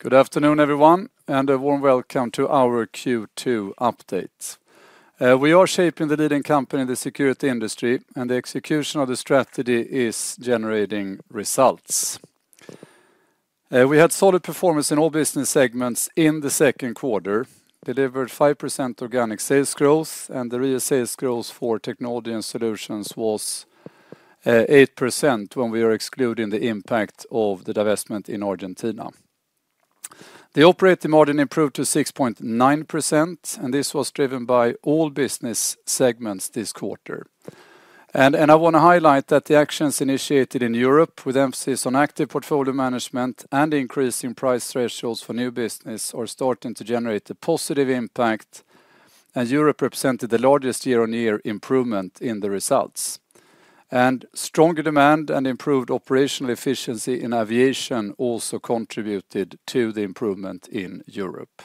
Good afternoon, everyone, and a warm welcome to our Q2 update. We are shaping the leading company in the security industry, and the execution of the strategy is generating results. We had solid performance in all business segments in the second quarter, delivered 5% organic sales growth, and the real sales growth for Technology Solutions was 8% when we are excluding the impact of the divestment in Argentina. The operating margin improved to 6.9%, and this was driven by all business segments this quarter. I want to highlight that the actions initiated in Europe, with emphasis on active portfolio management and increasing price thresholds for new business, are starting to generate a positive impact, and Europe represented the largest year-on-year improvement in the results. Stronger demand and improved operational efficiency in aviation also contributed to the improvement in Europe.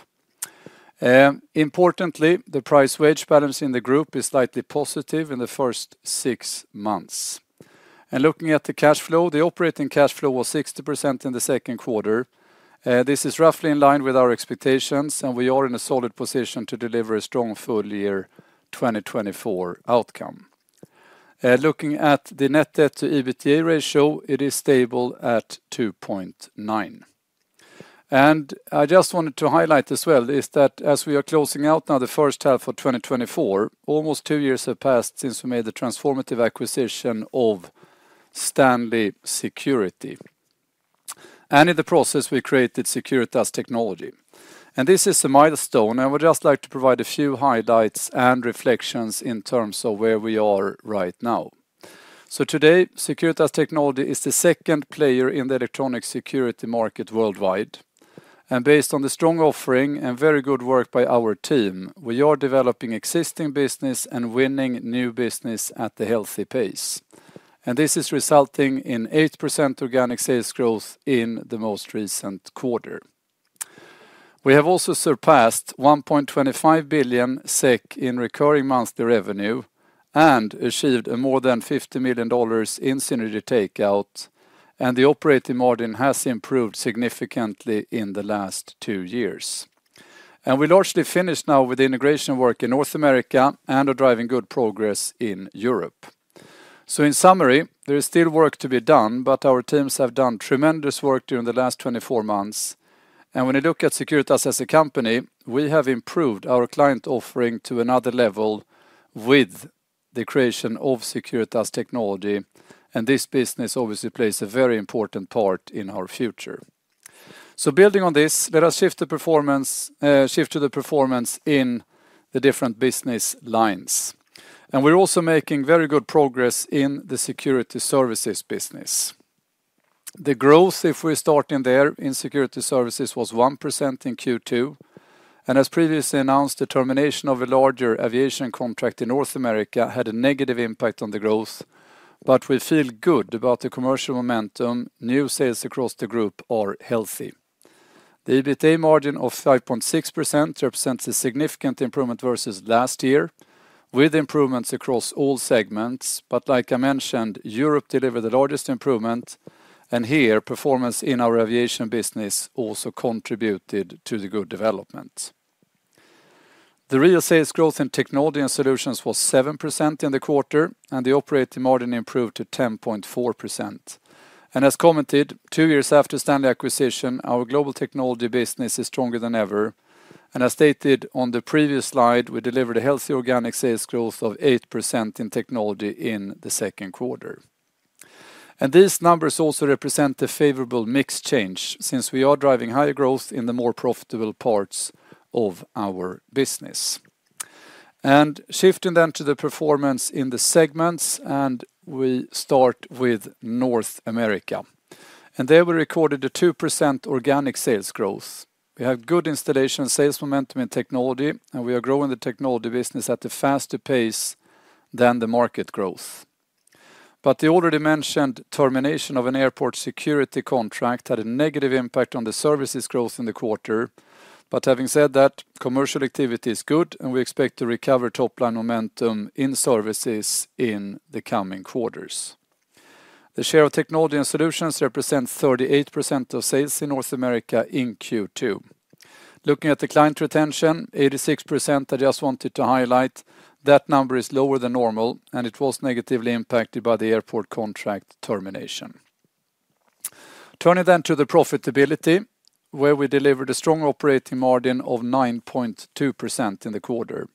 Importantly, the price-wage balance in the group is slightly positive in the first six months. Looking at the cash flow, the operating cash flow was 60% in the second quarter. This is roughly in line with our expectations, and we are in a solid position to deliver a strong full-year 2024 outcome. Looking at the net debt-to-EBITDA ratio, it is stable at 2.9. I just wanted to highlight as well is that as we are closing out now the first half of 2024, almost two years have passed since we made the transformative acquisition of Stanley Security. In the process, we created Securitas Technology. This is a milestone, and I would just like to provide a few highlights and reflections in terms of where we are right now. Today, Securitas Technology is the second player in the electronic security market worldwide. Based on the strong offering and very good work by our team, we are developing existing business and winning new business at a healthy pace. This is resulting in 8% organic sales growth in the most recent quarter. We have also surpassed 1.25 billion SEK in recurring monthly revenue and achieved more than $50 million in synergy takeout, and the operating margin has improved significantly in the last two years. We largely finished now with integration work in North America and are driving good progress in Europe. In summary, there is still work to be done, but our teams have done tremendous work during the last 24 months. When you look at Securitas as a company, we have improved our client offering to another level with the creation of Securitas Technology, and this business obviously plays a very important part in our future. Building on this, let us shift the performance in the different business lines. We're also making very good progress in the security services business. The growth, if we're starting there, in security services was 1% in Q2. As previously announced, the termination of a larger aviation contract in North America had a negative impact on the growth, but we feel good about the commercial momentum. New sales across the group are healthy. The EBITDA margin of 5.6% represents a significant improvement versus last year, with improvements across all segments. But like I mentioned, Europe delivered the largest improvement, and here performance in our aviation business also contributed to the good development. The real sales growth in Technology & Solutions was 7% in the quarter, and the operating margin improved to 10.4%. As commented, two years after Stanley acquisition, our global technology business is stronger than ever. As stated on the previous slide, we delivered a healthy organic sales growth of 8% in technology in the second quarter. These numbers also represent a favorable mix change since we are driving higher growth in the more profitable parts of our business. Shifting then to the performance in the segments, we start with North America. There we recorded a 2% organic sales growth. We have good installation sales momentum in technology, and we are growing the technology business at a faster pace than the market growth. The already mentioned termination of an airport security contract had a negative impact on the services growth in the quarter. Having said that, commercial activity is good, and we expect to recover top-line momentum in services in the coming quarters. The share of Technology & Solutions represents 38% of sales in North America in Q2. Looking at the client retention, 86%, I just wanted to highlight that number is lower than normal, and it was negatively impacted by the airport contract termination. Turning then to the profitability, where we delivered a strong operating margin of 9.2% in the quarter.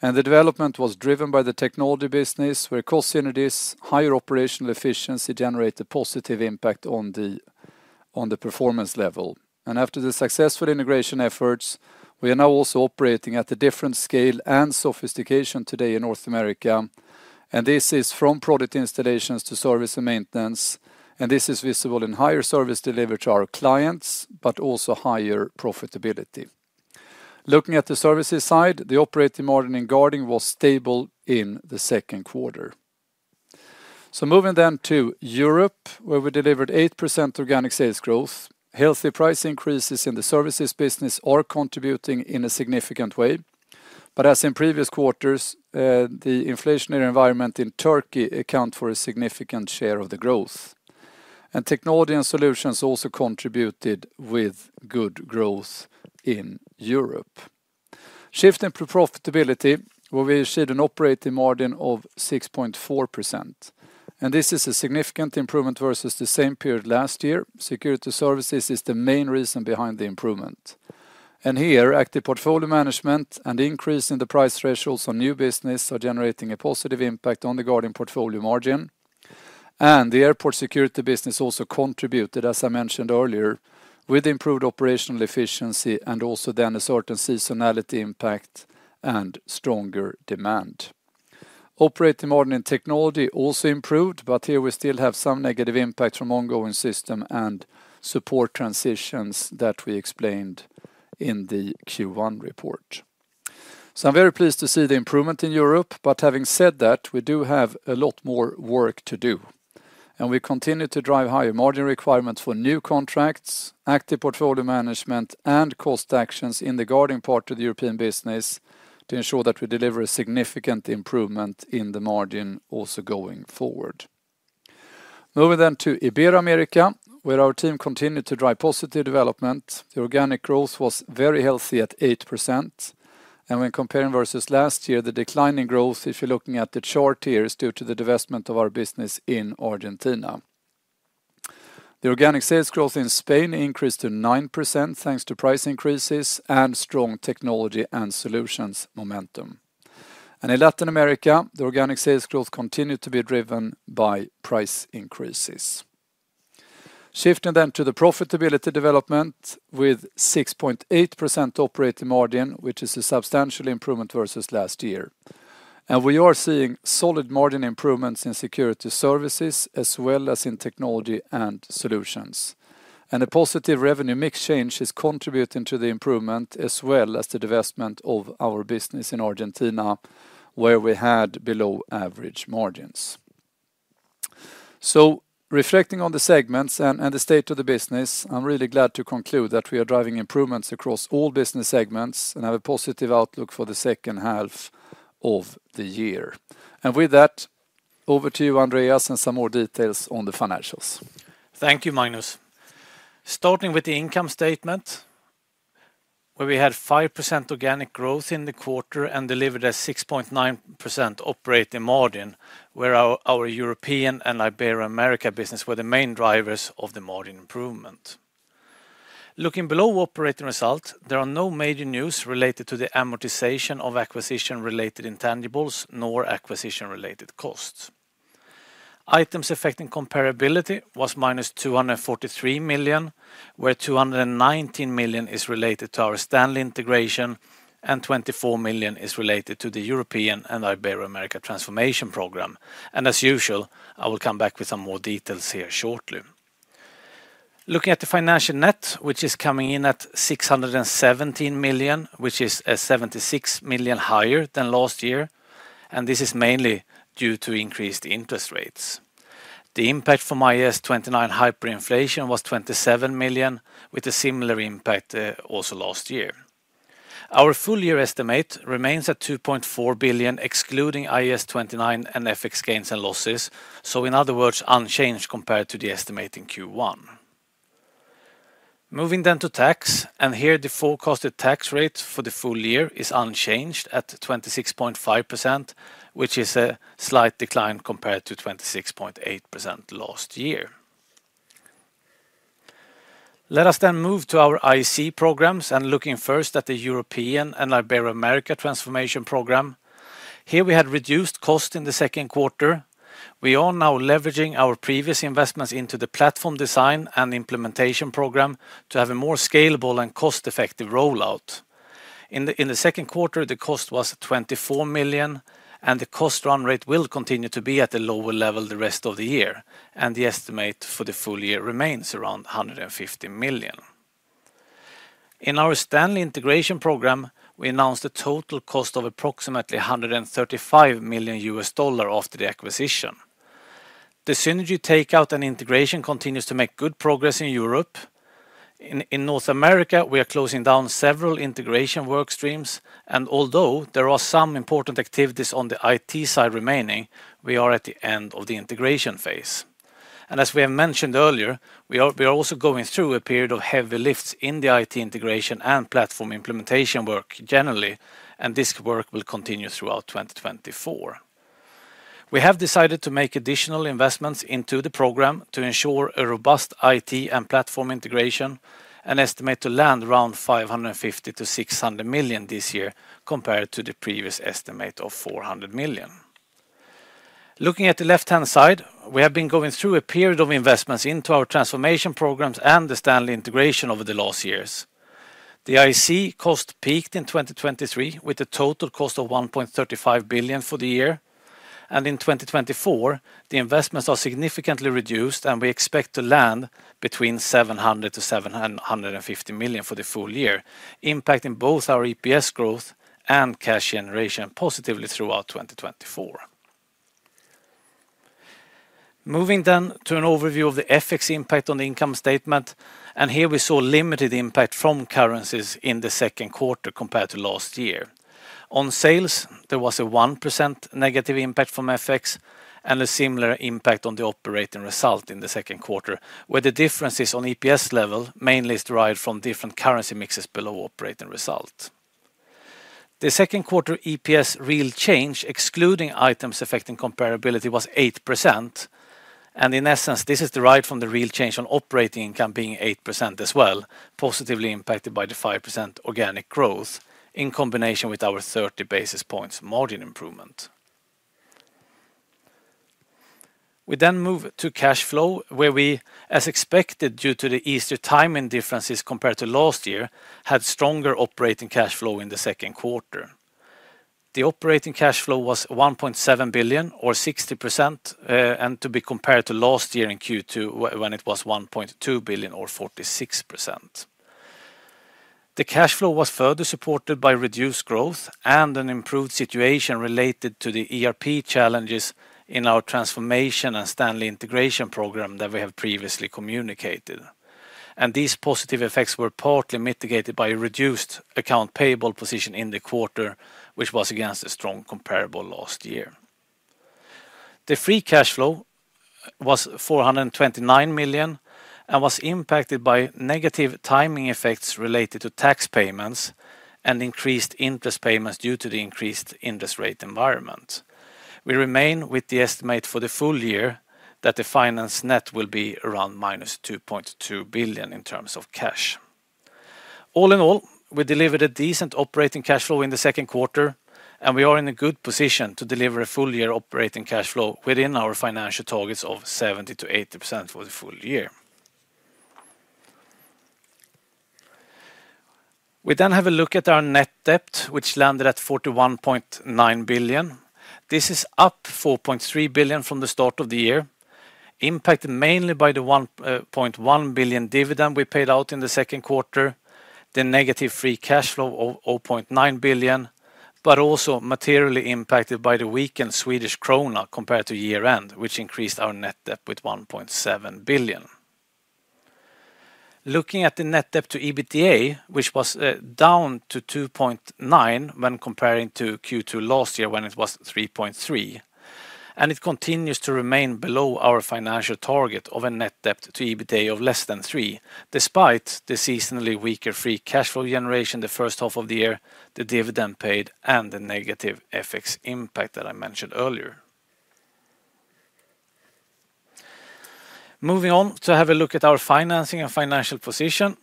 The development was driven by the technology business, where cost synergies, higher operational efficiency generated a positive impact on the performance level. After the successful integration efforts, we are now also operating at a different scale and sophistication today in North America. This is from product installations to service and maintenance, and this is visible in higher service delivered to our clients, but also higher profitability. Looking at the services side, the operating margin in guarding was stable in the second quarter. Moving then to Europe, where we delivered 8% organic sales growth. Healthy price increases in the services business are contributing in a significant way. But as in previous quarters, the inflationary environment in Turkey accounts for a significant share of the growth. Technology & Solutions also contributed with good growth in Europe. Shifting to profitability, where we achieved an operating margin of 6.4%. This is a significant improvement versus the same period last year. Security Services is the main reason behind the improvement. Here, Active Portfolio Management and increase in the price thresholds on new business are generating a positive impact on the guarding portfolio margin. The airport security business also contributed, as I mentioned earlier, with improved operational efficiency and also then a certain seasonality impact and stronger demand. Operating margin in Technology also improved, but here we still have some negative impact from ongoing system and support transitions that we explained in the Q1 report. So I'm very pleased to see the improvement in Europe, but having said that, we do have a lot more work to do. We continue to drive higher margin requirements for new contracts, active portfolio management, and cost actions in the guarding part of the European business to ensure that we deliver a significant improvement in the margin also going forward. Moving then to Ibero-America, where our team continued to drive positive development. The organic growth was very healthy at 8%. When comparing versus last year, the declining growth, if you're looking at the chart here, is due to the divestment of our business in Argentina. The organic sales growth in Spain increased to 9% thanks to price increases and strong Technology & Solutions momentum. In Latin America, the organic sales growth continued to be driven by price increases. Shifting then to the profitability development with 6.8% operating margin, which is a substantial improvement versus last year. And we are seeing solid margin improvements in security services as well as in technology and solutions. And the positive revenue mix change is contributing to the improvement as well as the divestment of our business in Argentina, where we had below average margins. So reflecting on the segments and the state of the business, I'm really glad to conclude that we are driving improvements across all business segments and have a positive outlook for the second half of the year. And with that, over to you, Andreas, and some more details on the financials. Thank you, Magnus. Starting with the income statement, where we had 5% organic growth in the quarter and delivered a 6.9% operating margin, where our European and Ibero-America business were the main drivers of the margin improvement. Looking below operating result, there are no major news related to the amortization of acquisition-related intangibles nor acquisition-related costs. Items affecting comparability was -243 million, where 219 million is related to our Stanley integration and 24 million is related to the European and Ibero-America transformation program. As usual, I will come back with some more details here shortly. Looking at the financial net, which is coming in at 617 million, which is 76 million higher than last year, and this is mainly due to increased interest rates. The impact from IAS 29 hyperinflation was 27 million, with a similar impact also last year. Our full-year estimate remains at 2.4 billion, excluding IAS 29 and FX gains and losses, so in other words, unchanged compared to the estimate in Q1. Moving then to tax, and here the forecasted tax rate for the full year is unchanged at 26.5%, which is a slight decline compared to 26.8% last year. Let us then move to our IAC programs and looking first at the European and Ibero-America transformation program. Here we had reduced cost in the second quarter. We are now leveraging our previous investments into the platform design and implementation program to have a more scalable and cost-effective rollout. In the second quarter, the cost was 24 million, and the cost run rate will continue to be at a lower level the rest of the year, and the estimate for the full year remains around 150 million. In our Stanley integration program, we announced a total cost of approximately $135 million after the acquisition. The synergy takeout and integration continues to make good progress in Europe. In North America, we are closing down several integration workstreams, and although there are some important activities on the IT side remaining, we are at the end of the integration phase. As we have mentioned earlier, we are also going through a period of heavy lifts in the IT integration and platform implementation work generally, and this work will continue throughout 2024. We have decided to make additional investments into the program to ensure a robust IT and platform integration and estimate to land around $550 million-$600 million this year compared to the previous estimate of $400 million. Looking at the left-hand side, we have been going through a period of investments into our transformation programs and the Stanley integration over the last years. The IC cost peaked in 2023 with a total cost of 1.35 billion for the year, and in 2024, the investments are significantly reduced, and we expect to land between 700-750 million for the full year, impacting both our EPS growth and cash generation positively throughout 2024. Moving then to an overview of the FX impact on the income statement, and here we saw limited impact from currencies in the second quarter compared to last year. On sales, there was a 1% negative impact from FX and a similar impact on the operating result in the second quarter, where the differences on EPS level mainly derived from different currency mixes below operating result. The second quarter EPS real change, excluding Items Affecting Comparability, was 8%, and in essence, this is derived from the real change on operating income being 8% as well, positively impacted by the 5% organic growth in combination with our 30 basis points margin improvement. We then move to cash flow, where we, as expected due to the Easter timing differences compared to last year, had stronger operating cash flow in the second quarter. The operating cash flow was 1.7 billion, or 60%, and to be compared to last year in Q2 when it was 1.2 billion, or 46%. The cash flow was further supported by reduced growth and an improved situation related to the ERP challenges in our transformation and Stanley integration program that we have previously communicated. These positive effects were partly mitigated by reduced account payable position in the quarter, which was against a strong comparable last year. The free cash flow was 429 million and was impacted by negative timing effects related to tax payments and increased interest payments due to the increased interest rate environment. We remain with the estimate for the full year that the finance net will be around -2.2 billion in terms of cash. All in all, we delivered a decent operating cash flow in the second quarter, and we are in a good position to deliver a full-year operating cash flow within our financial targets of 70%-80% for the full year. We have a look at our net debt, which landed at 41.9 billion. This is up 4.3 billion from the start of the year, impacted mainly by the 1.1 billion dividend we paid out in the second quarter, the negative free cash flow of 0.9 billion, but also materially impacted by the weakened Swedish krona compared to year-end, which increased our net debt with 1.7 billion. Looking at the net debt to EBITDA, which was down to 2.9 when comparing to Q2 last year when it was 3.3, and it continues to remain below our financial target of a net debt to EBITDA of less than 3, despite the seasonally weaker free cash flow generation the first half of the year, the dividend paid, and the negative FX impact that I mentioned earlier. Moving on to have a look at our financing and financial position.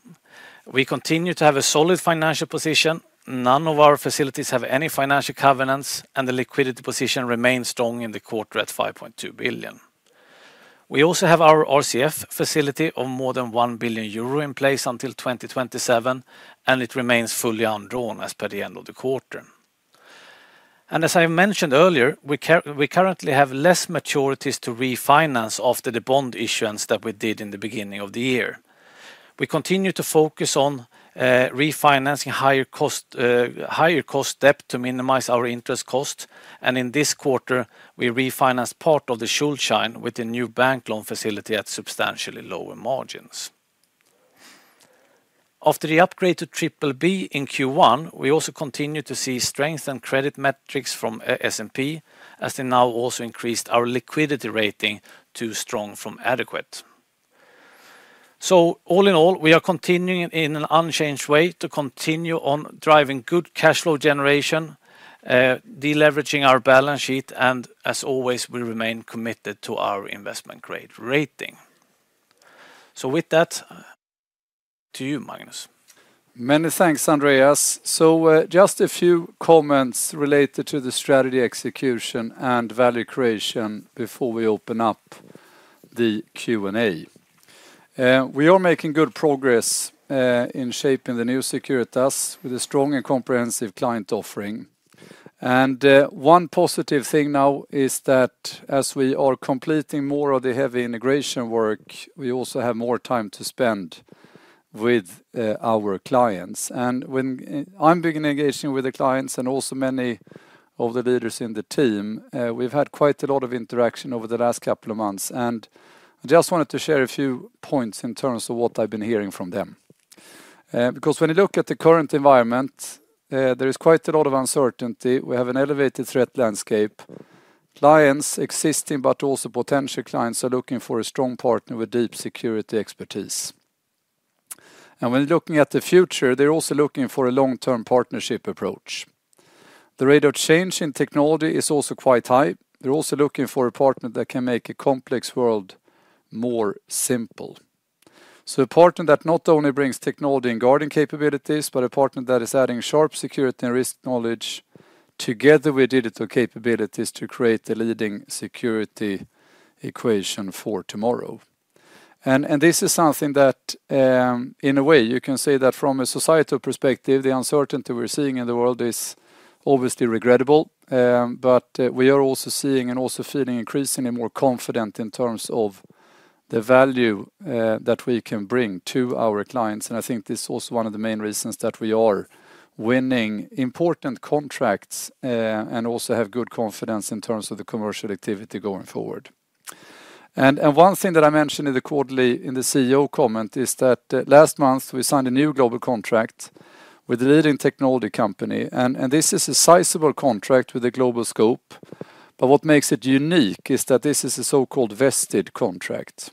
We continue to have a solid financial position. None of our facilities have any financial covenants, and the liquidity position remains strong in the quarter at 5.2 billion. We also have our RCF facility of more than 1 billion euro in place until 2027, and it remains fully undrawn as per the end of the quarter. As I mentioned earlier, we currently have less maturities to refinance after the bond issuance that we did in the beginning of the year. We continue to focus on refinancing higher cost debt to minimize our interest cost, and in this quarter, we refinanced part of the Schuldschein with a new bank loan facility at substantially lower margins. After the upgrade to BBB in Q1, we also continue to see strengthened credit metrics from S&P, as they now also increased our liquidity rating to strong from adequate. All in all, we are continuing in an unchanged way to continue on driving good cash flow generation, deleveraging our balance sheet, and as always, we remain committed to our investment grade rating. With that, to you, Magnus. Many thanks, Andreas. So just a few comments related to the strategy execution and value creation before we open up the Q&A. We are making good progress in shaping the new Securitas with a strong and comprehensive client offering. And one positive thing now is that as we are completing more of the heavy integration work, we also have more time to spend with our clients. And when I'm beginning to engage with the clients and also many of the leaders in the team, we've had quite a lot of interaction over the last couple of months, and I just wanted to share a few points in terms of what I've been hearing from them. Because when you look at the current environment, there is quite a lot of uncertainty. We have an elevated threat landscape. Existing clients, but also potential clients are looking for a strong partner with deep security expertise. When looking at the future, they're also looking for a long-term partnership approach. The rate of change in technology is also quite high. They're also looking for a partner that can make a complex world more simple. A partner that not only brings technology and guarding capabilities, but a partner that is adding sharp security and risk knowledge together with digital capabilities to create the leading security equation for tomorrow. This is something that, in a way, you can say that from a societal perspective, the uncertainty we're seeing in the world is obviously regrettable, but we are also seeing and also feeling increasingly more confident in terms of the value that we can bring to our clients. I think this is also one of the main reasons that we are winning important contracts and also have good confidence in terms of the commercial activity going forward. One thing that I mentioned in the quarterly CEO comment is that last month we signed a new global contract with a leading technology company. This is a sizable contract with a global scope, but what makes it unique is that this is a so-called Vested contract.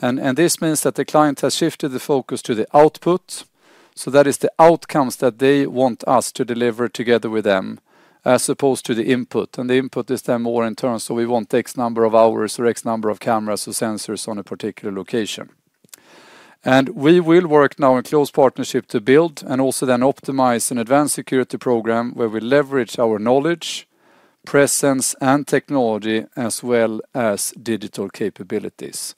This means that the client has shifted the focus to the output, so that is the outcomes that they want us to deliver together with them, as opposed to the input. The input is then more in terms of we want X number of hours or X number of cameras or sensors on a particular location. We will work now in close partnership to build and also then optimize an advanced security program where we leverage our knowledge, presence, and technology as well as digital capabilities.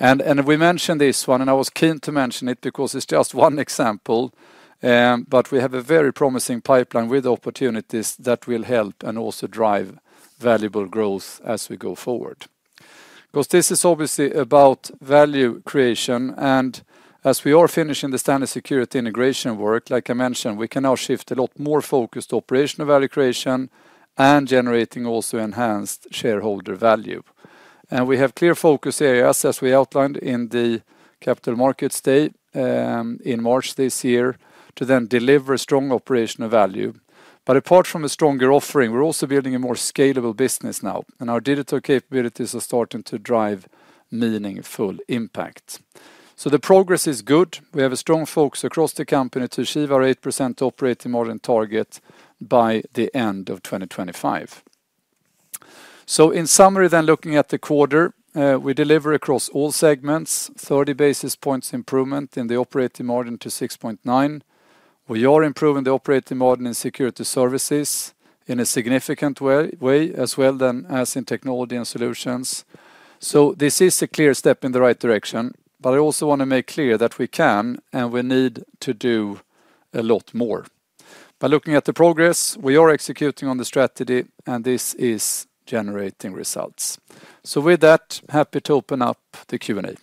We mentioned this one, and I was keen to mention it because it's just one example, but we have a very promising pipeline with opportunities that will help and also drive valuable growth as we go forward. Because this is obviously about value creation, and as we are finishing the standard security integration work, like I mentioned, we can now shift a lot more focused to operational value creation and generating also enhanced shareholder value. We have clear focus areas, as we outlined in the Capital Markets Day in March this year, to then deliver strong operational value. But apart from a stronger offering, we're also building a more scalable business now, and our digital capabilities are starting to drive meaningful impact. So the progress is good. We have a strong focus across the company to achieve our 8% operating margin target by the end of 2025. So in summary, then looking at the quarter, we deliver across all segments 30 basis points improvement in the operating margin to 6.9. We are improving the operating margin in security services in a significant way as well as in technology and solutions. So this is a clear step in the right direction, but I also want to make clear that we can and we need to do a lot more. By looking at the progress, we are executing on the strategy, and this is generating results. So with that, happy to open up the Q&A.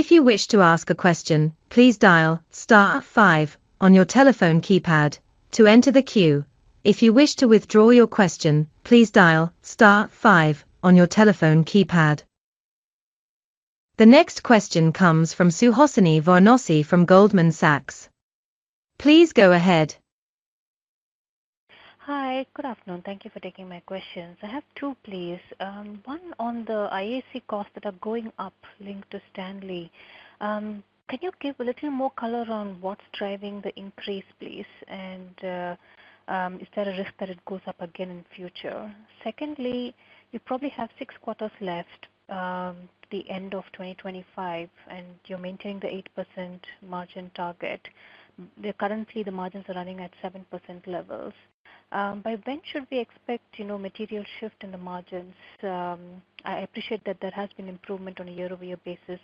If you wish to ask a question, please dial star five on your telephone keypad to enter the queue. If you wish to withdraw your question, please dial star five on your telephone keypad. The next question comes from Suhasini Varanasi from Goldman Sachs. Please go ahead. Hi, good afternoon. Thank you for taking my questions. I have two, please. One on the IAC costs that are going up linked to Stanley. Can you give a little more color on what's driving the increase, please? And is there a risk that it goes up again in the future? Secondly, you probably have six quarters left to the end of 2025, and you're maintaining the 8% margin target. Currently, the margins are running at 7% levels. By when should we expect material shift in the margins? I appreciate that there has been improvement on a year-over-year basis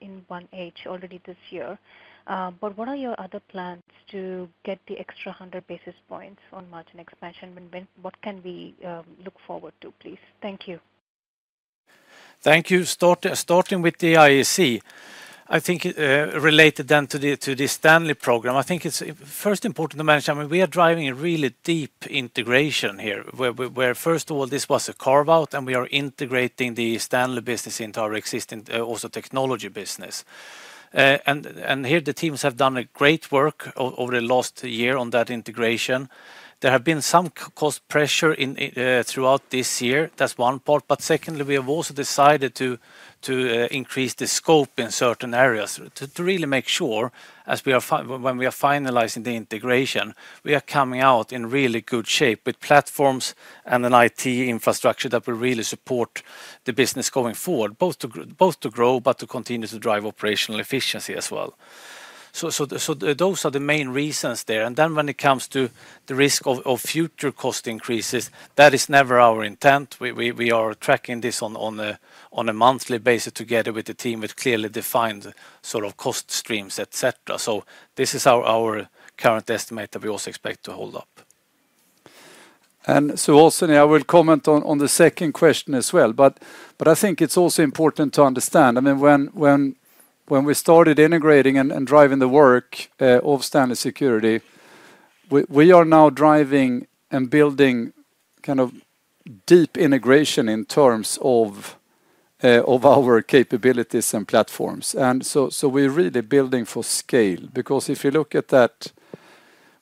in 1H already this year. But what are your other plans to get the extra 100 basis points on margin expansion? What can we look forward to, please? Thank you. Thank you. Starting with the IAC, I think related then to the Stanley program, I think it's first important to mention, we are driving a really deep integration here, where first of all, this was a carve-out, and we are integrating the Stanley business into our existing also technology business. And here, the teams have done great work over the last year on that integration. There have been some cost pressure throughout this year. That's one part. But secondly, we have also decided to increase the scope in certain areas to really make sure when we are finalizing the integration, we are coming out in really good shape with platforms and an IT infrastructure that will really support the business going forward, both to grow, but to continue to drive operational efficiency as well. So those are the main reasons there. And then when it comes to the risk of future cost increases, that is never our intent. We are tracking this on a monthly basis together with the team with clearly defined sort of cost streams, etc. So this is our current estimate that we also expect to hold up. And Suhasini, I will comment on the second question as well. But I think it's also important to understand. I mean, when we started integrating and driving the work of Stanley Security, we are now driving and building kind of deep integration in terms of our capabilities and platforms. And so we're really building for scale. Because if you look at that,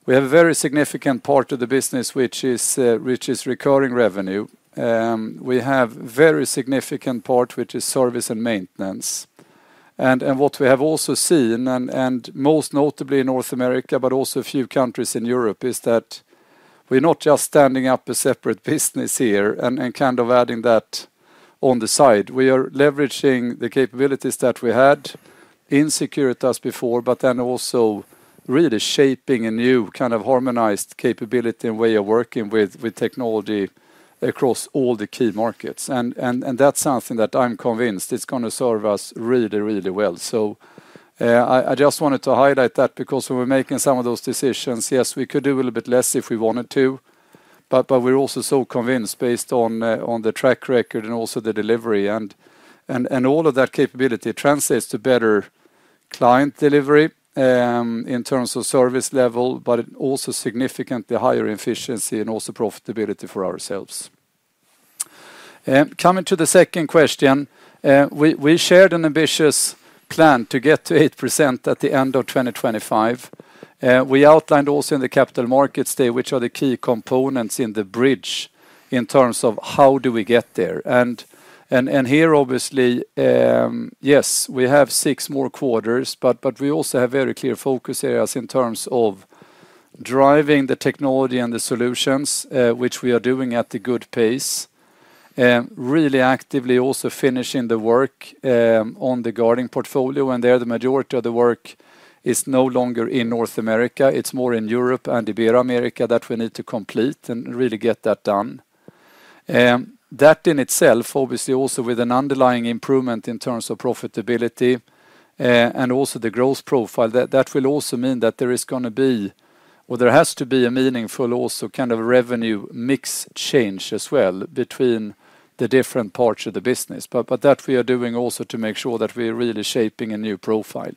we have a very significant part of the business, which is recurring revenue. We have a very significant part, which is service and maintenance. And what we have also seen, and most notably in North America, but also a few countries in Europe, is that we're not just standing up a separate business here and kind of adding that on the side. We are leveraging the capabilities that we had in Securitas before, but then also really shaping a new kind of harmonized capability and way of working with technology across all the key markets. And that's something that I'm convinced it's going to serve us really, really well. So I just wanted to highlight that because when we're making some of those decisions, yes, we could do a little bit less if we wanted to, but we're also so convinced based on the track record and also the delivery. All of that capability translates to better client delivery in terms of service level, but also significantly higher efficiency and also profitability for ourselves. Coming to the second question, we shared an ambitious plan to get to 8% at the end of 2025. We outlined also in the capital markets day, which are the key components in the bridge in terms of how do we get there. Here, obviously, yes, we have six more quarters, but we also have very clear focus areas in terms of driving the technology and the solutions, which we are doing at a good pace, really actively also finishing the work on the guarding portfolio. And there, the majority of the work is no longer in North America. It's more in Europe and Ibero-America that we need to complete and really get that done. That in itself, obviously, also with an underlying improvement in terms of profitability and also the growth profile, that will also mean that there is going to be, or there has to be a meaningful also kind of revenue mix change as well between the different parts of the business. But that we are doing also to make sure that we are really shaping a new profile.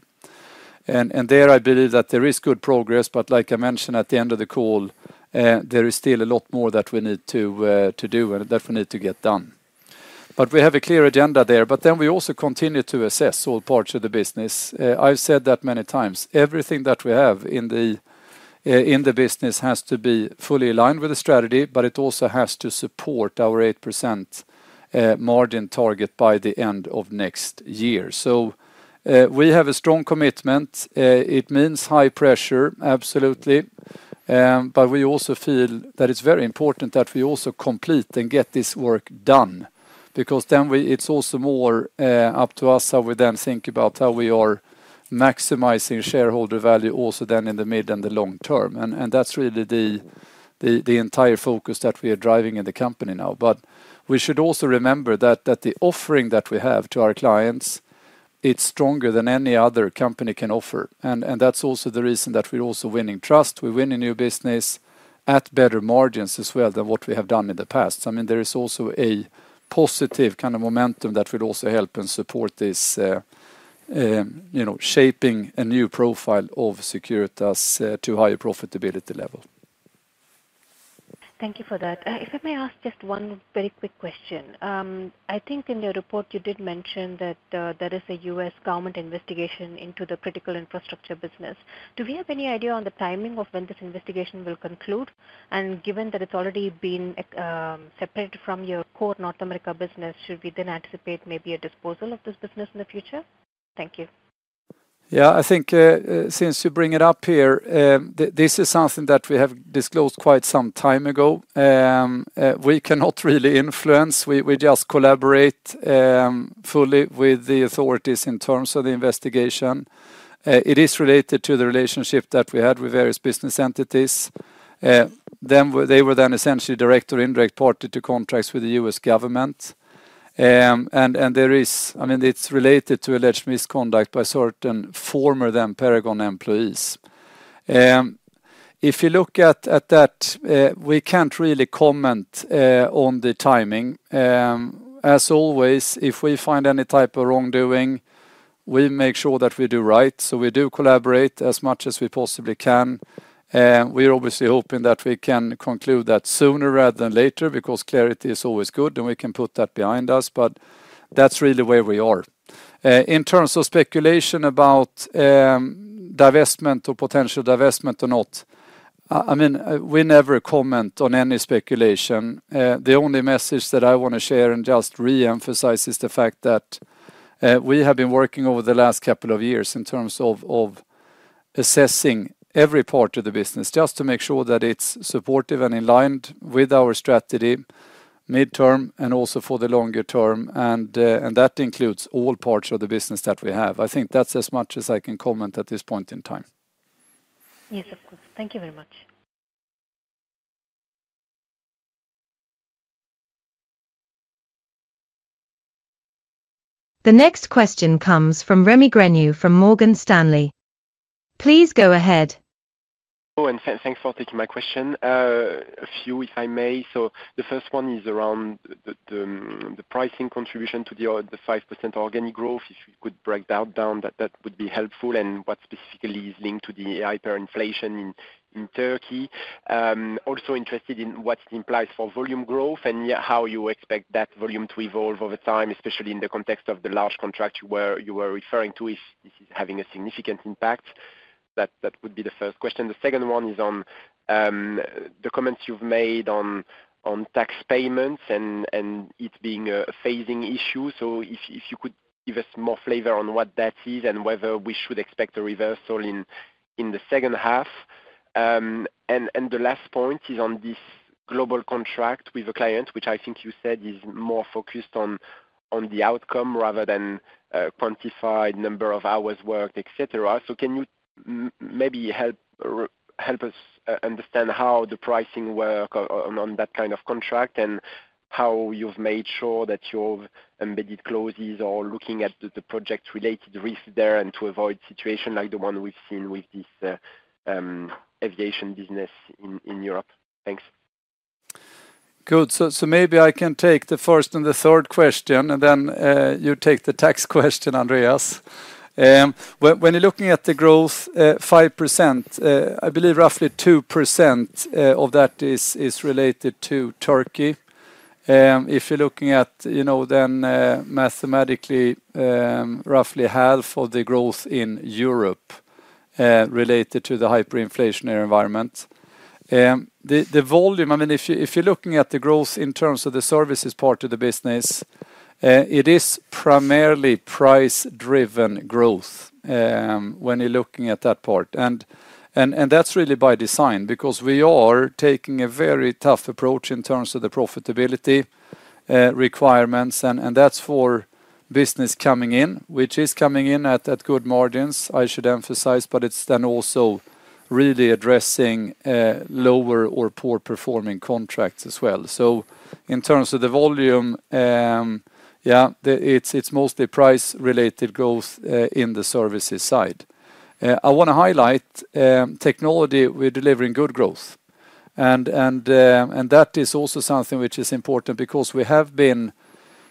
And there, I believe that there is good progress, but like I mentioned at the end of the call, there is still a lot more that we need to do and that we need to get done. But we have a clear agenda there. But then we also continue to assess all parts of the business. I've said that many times. Everything that we have in the business has to be fully aligned with the strategy, but it also has to support our 8% margin target by the end of next year. So we have a strong commitment. It means high pressure, absolutely. But we also feel that it's very important that we also complete and get this work done. Because then it's also more up to us how we then think about how we are maximizing shareholder value also then in the mid and the long term. And that's really the entire focus that we are driving in the company now. But we should also remember that the offering that we have to our clients, it's stronger than any other company can offer. And that's also the reason that we're also winning trust. We win a new business at better margins as well than what we have done in the past. I mean, there is also a positive kind of momentum that will also help and support this shaping a new profile of Securitas to a higher profitability level. Thank you for that. If I may ask just one very quick question. I think in your report, you did mention that there is a U.S. government investigation into the critical infrastructure business. Do we have any idea on the timing of when this investigation will conclude? And given that it's already been separated from your core North America business, should we then anticipate maybe a disposal of this business in the future? Thank you. Yeah, I think since you bring it up here, this is something that we have disclosed quite some time ago. We cannot really influence. We just collaborate fully with the authorities in terms of the investigation. It is related to the relationship that we had with various business entities. They were then essentially direct or indirect party to contracts with the U.S. government. And there is, I mean, it's related to alleged misconduct by certain former then-Pentagon employees. If you look at that, we can't really comment on the timing. As always, if we find any type of wrongdoing, we make sure that we do right. So we do collaborate as much as we possibly can. We are obviously hoping that we can conclude that sooner rather than later because clarity is always good, and we can put that behind us. But that's really where we are. In terms of speculation about divestment or potential divestment or not, I mean, we never comment on any speculation. The only message that I want to share and just re-emphasize is the fact that we have been working over the last couple of years in terms of assessing every part of the business just to make sure that it's supportive and in line with our strategy midterm and also for the longer term. And that includes all parts of the business that we have. I think that's as much as I can comment at this point in time. Yes, of course. Thank you very much. The next question comes from Rémi Grenu from Morgan Stanley. Please go ahead. And thanks for taking my question. A few, if I may. So the first one is around the pricing contribution to the 5% organic growth. If you could break that down, that would be helpful. And what specifically is linked to the hyperinflation in Turkey? Also interested in what it implies for volume growth and how you expect that volume to evolve over time, especially in the context of the large contract you were referring to, if this is having a significant impact. That would be the first question. The second one is on the comments you've made on tax payments and it being a phasing issue. So if you could give us more flavor on what that is and whether we should expect a reversal in the second half. The last point is on this global contract with a client, which I think you said is more focused on the outcome rather than quantified number of hours worked, etc. Can you maybe help us understand how the pricing work on that kind of contract and how you've made sure that your embedded clauses are looking at the project-related risks there and to avoid situations like the one we've seen with this aviation business in Europe? Thanks. Good. So maybe I can take the first and the third question, and then you take the tax question, Andreas. When you're looking at the growth, 5%, I believe roughly 2% of that is related to Turkey. If you're looking at then mathematically, roughly half of the growth in Europe related to the hyperinflationary environment. The volume, I mean, if you're looking at the growth in terms of the services part of the business, it is primarily price-driven growth when you're looking at that part. And that's really by design because we are taking a very tough approach in terms of the profitability requirements. And that's for business coming in, which is coming in at good margins, I should emphasize, but it's then also really addressing lower or poor-performing contracts as well. So in terms of the volume, yeah, it's mostly price-related growth in the services side. I want to highlight technology. We're delivering good growth. That is also something which is important because we have been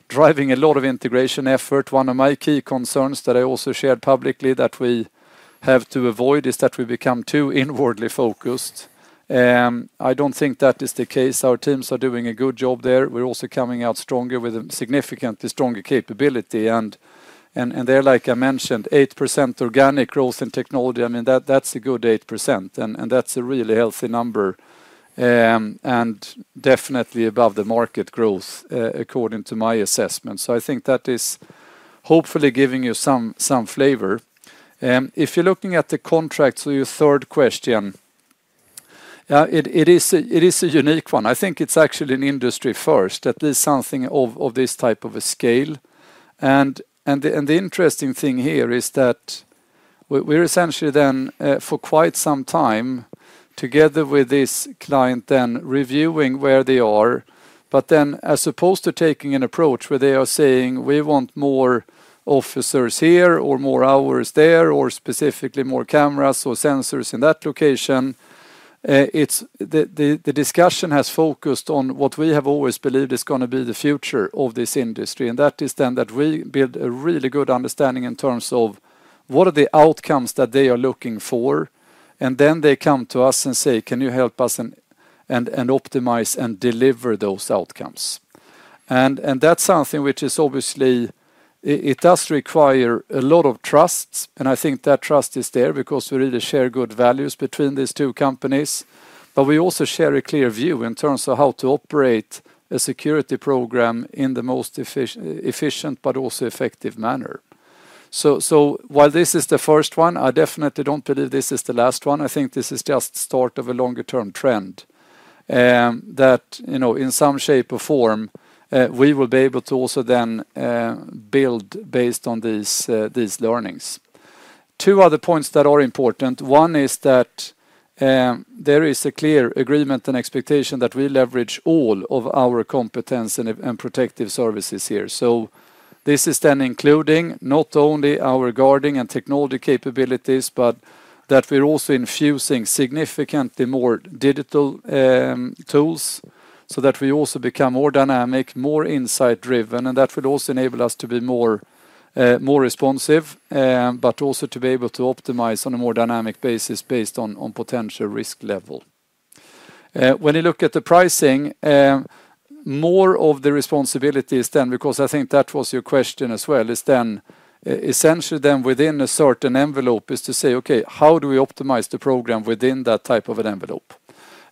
driving a lot of integration effort. One of my key concerns that I also shared publicly that we have to avoid is that we become too inwardly focused. I don't think that is the case. Our teams are doing a good job there. We're also coming out stronger with a significantly stronger capability. And there, like I mentioned, 8% organic growth in technology, I mean, that's a good 8%. And that's a really healthy number and definitely above the market growth according to my assessment. I think that is hopefully giving you some flavor. If you're looking at the contracts or your third question, it is a unique one. I think it's actually an industry first, at least something of this type of a scale. And the interesting thing here is that we're essentially then for quite some time together with this client then reviewing where they are. But then as opposed to taking an approach where they are saying, "We want more officers here or more hours there or specifically more cameras or sensors in that location," the discussion has focused on what we have always believed is going to be the future of this industry. And that is then that we build a really good understanding in terms of what are the outcomes that they are looking for. And then they come to us and say, "Can you help us and optimize and deliver those outcomes?" And that's something which is obviously, it does require a lot of trust. And I think that trust is there because we really share good values between these two companies. But we also share a clear view in terms of how to operate a security program in the most efficient but also effective manner. So while this is the first one, I definitely don't believe this is the last one. I think this is just the start of a longer-term trend that in some shape or form, we will be able to also then build based on these learnings. Two other points that are important. One is that there is a clear agreement and expectation that we leverage all of our competence and protective services here. So this is then including not only our guarding and technology capabilities, but that we're also infusing significantly more digital tools so that we also become more dynamic, more insight-driven, and that would also enable us to be more responsive, but also to be able to optimize on a more dynamic basis based on potential risk level. When you look at the pricing, more of the responsibility is then, because I think that was your question as well, is then essentially then within a certain envelope is to say, "Okay, how do we optimize the program within that type of an envelope?"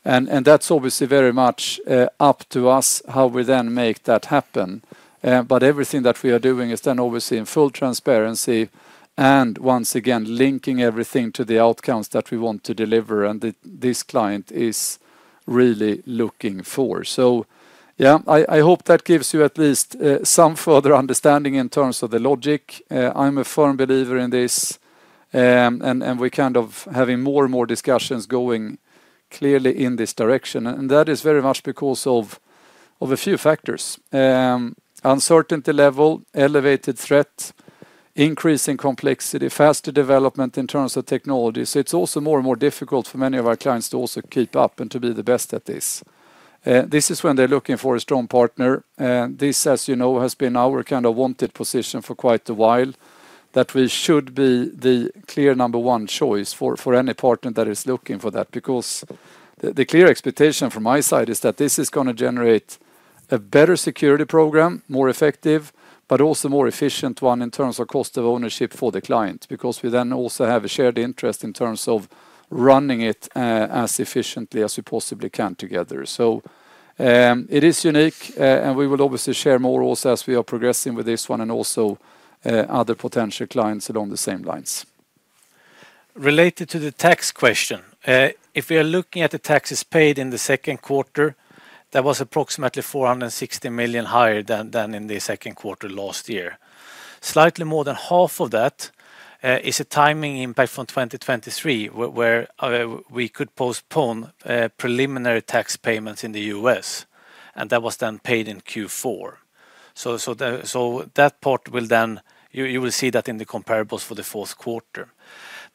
And that's obviously very much up to us how we then make that happen. But everything that we are doing is then obviously in full transparency and once again, linking everything to the outcomes that we want to deliver and this client is really looking for. So yeah, I hope that gives you at least some further understanding in terms of the logic. I'm a firm believer in this. We're kind of having more and more discussions going clearly in this direction. That is very much because of a few factors: uncertainty level, elevated threat, increasing complexity, faster development in terms of technology. It's also more and more difficult for many of our clients to also keep up and to be the best at this. This is when they're looking for a strong partner. This, as you know, has been our kind of wanted position for quite a while that we should be the clear number one choice for any partner that is looking for that. Because the clear expectation from my side is that this is going to generate a better security program, more effective, but also more efficient one in terms of cost of ownership for the client. Because we then also have a shared interest in terms of running it as efficiently as we possibly can together. So it is unique, and we will obviously share more also as we are progressing with this one and also other potential clients along the same lines. Related to the tax question, if we are looking at the taxes paid in the second quarter, that was approximately 460 million higher than in the second quarter last year. Slightly more than half of that is a timing impact from 2023 where we could postpone preliminary tax payments in the U.S. And that was then paid in Q4. That part will then. You will see that in the comparables for the fourth quarter.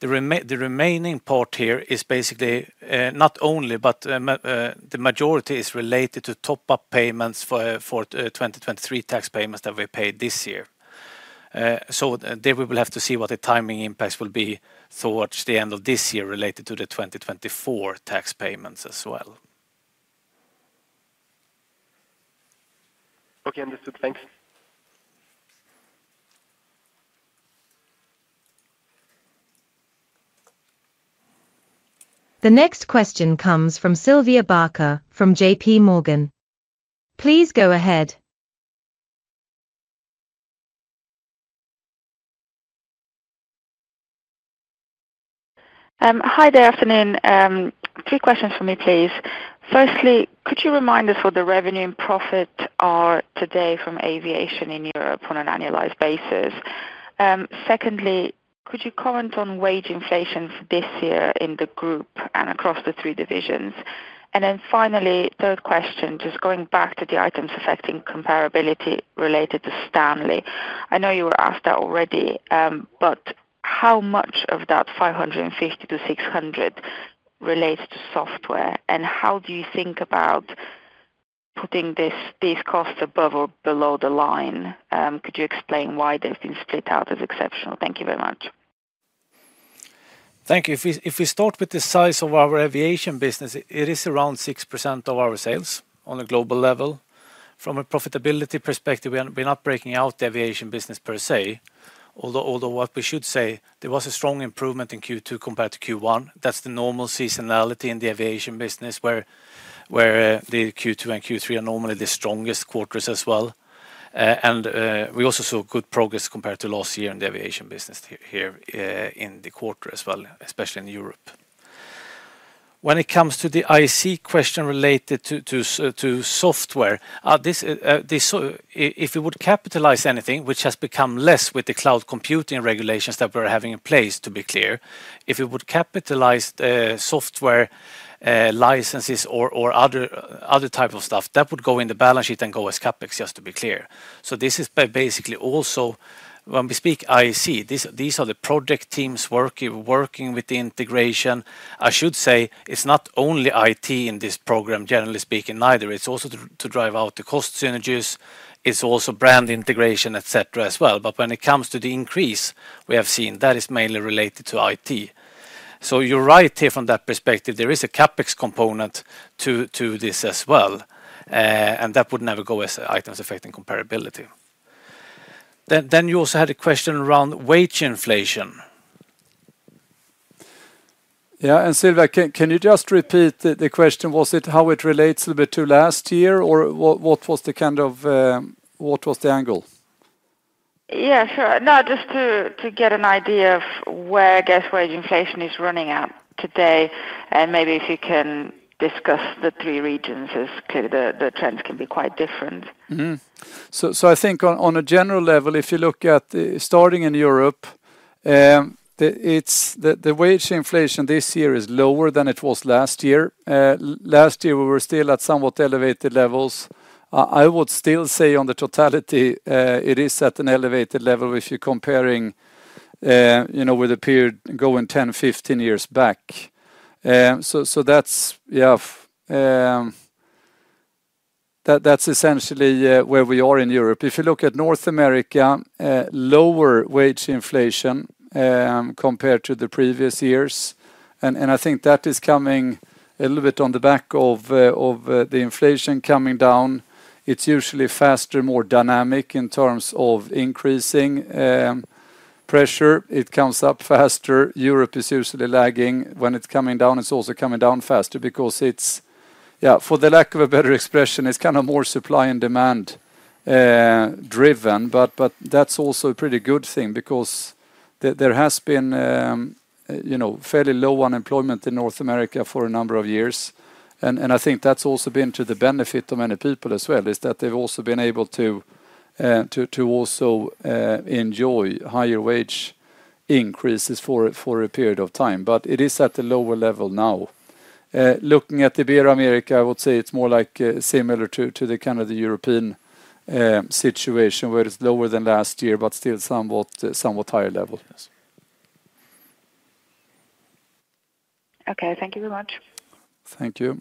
The remaining part here is basically not only, but the majority is related to top-up payments for 2023 tax payments that were paid this year. There we will have to see what the timing impacts will be towards the end of this year related to the 2024 tax payments as well. Okay, understood. Thanks. The next question comes from Sylvia Barker from J.P. Morgan. Please go ahead. Hi there, afternoon. Three questions for me, please. Firstly, could you remind us what the revenue and profit are today from aviation in Europe on an annualized basis? Secondly, could you comment on wage inflation for this year in the group and across the three divisions? And then finally, third question, just going back to the items affecting comparability related to Stanley. I know you were asked that already, but how much of that 550-600 relates to software? And how do you think about putting these costs above or below the line? Could you explain why they've been split out as exceptional? Thank you very much. Thank you. If we start with the size of our aviation business, it is around 6% of our sales on a global level. From a profitability perspective, we're not breaking out the aviation business per se. Although what we should say, there was a strong improvement in Q2 compared to Q1. That's the normal seasonality in the aviation business where the Q2 and Q3 are normally the strongest quarters as well. And we also saw good progress compared to last year in the aviation business here in the quarter as well, especially in Europe. When it comes to the IC question related to software, if we would capitalize anything, which has become less with the cloud computing regulations that we're having in place, to be clear, if we would capitalize software licenses or other type of stuff, that would go in the balance sheet and go as CapEx, just to be clear. So this is basically also when we speak IC, these are the project teams working with the integration. I should say it's not only IT in this program, generally speaking, neither. It's also to drive out the cost synergies. It's also brand integration, etc. as well. But when it comes to the increase we have seen, that is mainly related to IT. So you're right here from that perspective. There is a CapEx component to this as well. And that would never go as items affecting comparability. Then you also had a question around wage inflation. Yeah. And Sylvia, can you just repeat the question? Was it how it relates a little bit to last year or what was the kind of, what was the angle? Yeah, sure. No, just to get an idea of where I guess wage inflation is running out today. And maybe if you can discuss the three regions, the trends can be quite different. So I think on a general level, if you look at starting in Europe, the wage inflation this year is lower than it was last year. Last year, we were still at somewhat elevated levels. I would still say on the totality, it is at an elevated level if you're comparing with a period going 10, 15 years back. So that's essentially where we are in Europe. If you look at North America, lower wage inflation compared to the previous years. And I think that is coming a little bit on the back of the inflation coming down. It's usually faster, more dynamic in terms of increasing pressure. It comes up faster. Europe is usually lagging when it's coming down. It's also coming down faster because it's, yeah, for the lack of a better expression, it's kind of more supply and demand driven. But that's also a pretty good thing because there has been fairly low unemployment in North America for a number of years. And I think that's also been to the benefit of many people as well, is that they've also been able to also enjoy higher wage increases for a period of time. But it is at a lower level now. Looking at the Ibero-America, I would say it's more like similar to the kind of the European situation where it's lower than last year, but still somewhat higher level. Okay, thank you very much. Thank you.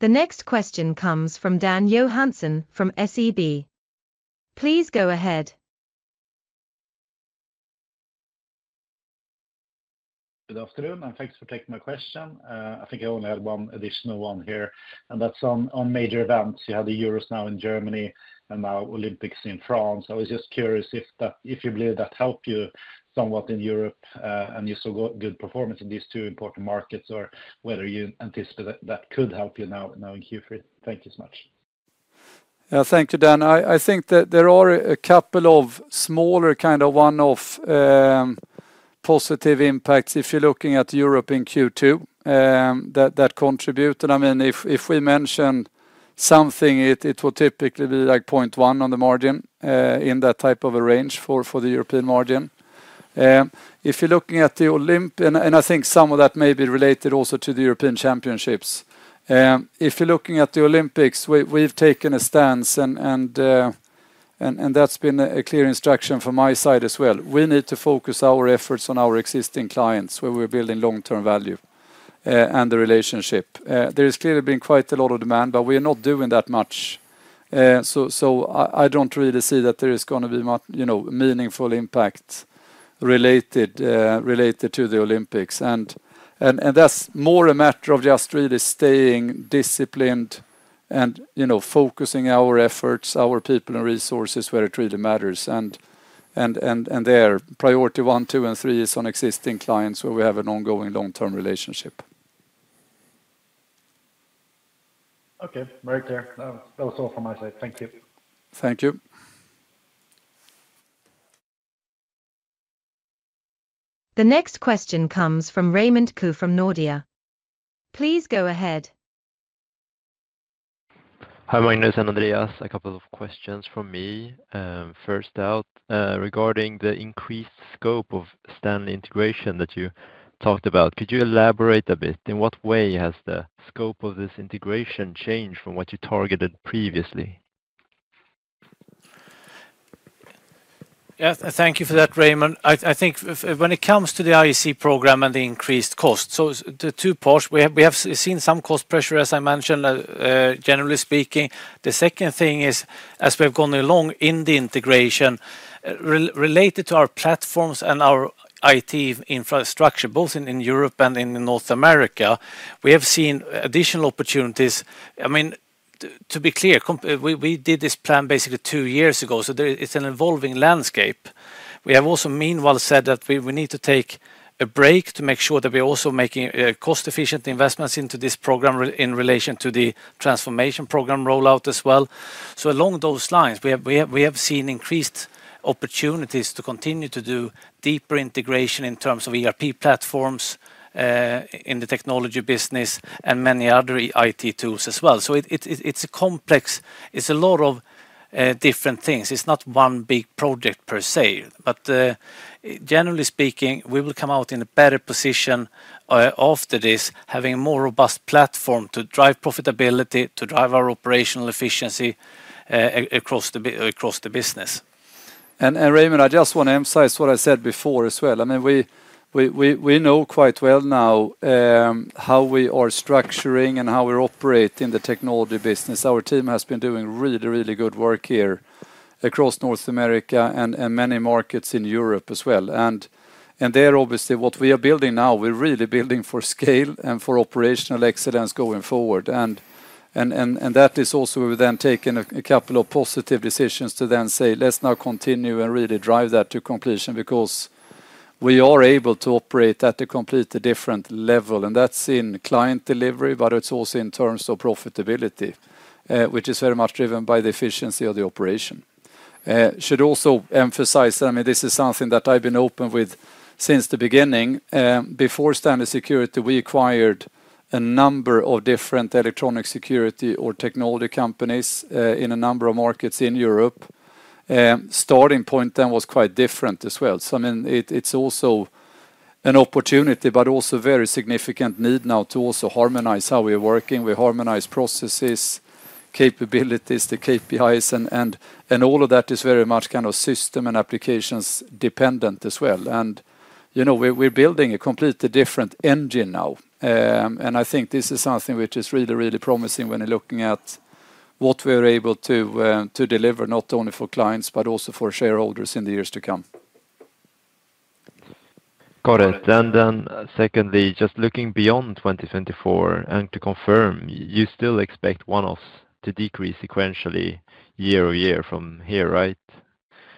The next question comes from Dan Johansson from SEB. Please go ahead. Good afternoon. Thanks for taking my question. I think I only had one additional one here. That's on major events. You had the Euros now in Germany and now Olympics in France. I was just curious if you believe that helped you somewhat in Europe and you saw good performance in these two important markets or whether you anticipate that could help you now in Q3. Thank you so much. Yeah, thank you, Dan. I think that there are a couple of smaller kind of one-off positive impacts if you're looking at Europe in Q2 that contribute. I mean, if we mention something, it will typically be like 0.1 on the margin in that type of a range for the European margin. If you're looking at the Olympics, and I think some of that may be related also to the European Championships. If you're looking at the Olympics, we've taken a stance and that's been a clear instruction from my side as well. We need to focus our efforts on our existing clients where we're building long-term value and the relationship. There has clearly been quite a lot of demand, but we are not doing that much. I don't really see that there is going to be much meaningful impact related to the Olympics. That's more a matter of just really staying disciplined and focusing our efforts, our people and resources where it really matters. There, priority one, two, and three is on existing clients where we have an ongoing long-term relationship. Okay, very clear. That was all from my side. Thank you. Thank you. The next question comes from Raymond Ke from Nordea. Please go ahead. Hi, my name is Raymond. A couple of questions for me. First out, regarding the increased scope of Stanley integration that you talked about, could you elaborate a bit? In what way has the scope of this integration changed from what you targeted previously? Thank you for that, Raymond. I think when it comes to the IC program and the increased cost, so the two parts, we have seen some cost pressure, as I mentioned, generally speaking. The second thing is, as we've gone along in the integration, related to our platforms and our IT infrastructure, both in Europe and in North America, we have seen additional opportunities. I mean, to be clear, we did this plan basically two years ago, so it's an evolving landscape. We have also meanwhile said that we need to take a break to make sure that we're also making cost-efficient investments into this program in relation to the transformation program rollout as well. So along those lines, we have seen increased opportunities to continue to do deeper integration in terms of ERP platforms in the technology business and many other IT tools as well. So it's a complex, it's a lot of different things. It's not one big project per se, but generally speaking, we will come out in a better position after this, having a more robust platform to drive profitability, to drive our operational efficiency across the business. And Raymond, I just want to emphasize what I said before as well. I mean, we know quite well now how we are structuring and how we're operating the technology business. Our team has been doing really, really good work here across North America and many markets in Europe as well. And there, obviously, what we are building now, we're really building for scale and for operational excellence going forward. And that is also. We've then taken a couple of positive decisions to then say, let's now continue and really drive that to completion because we are able to operate at a completely different level. And that's in client delivery, but it's also in terms of profitability, which is very much driven by the efficiency of the operation. Should also emphasize that, I mean, this is something that I've been open with since the beginning. Before Stanley Security, we acquired a number of different electronic security or technology companies in a number of markets in Europe. Starting point then was quite different as well. So I mean, it's also an opportunity, but also very significant need now to also harmonize how we are working. We harmonize processes, capabilities, the KPIs, and all of that is very much kind of system and applications dependent as well. We're building a completely different engine now. I think this is something which is really, really promising when you're looking at what we are able to deliver, not only for clients, but also for shareholders in the years to come. Got it. And then secondly, just looking beyond 2024, and to confirm, you still expect one-offs to decrease sequentially year-over-year from here, right?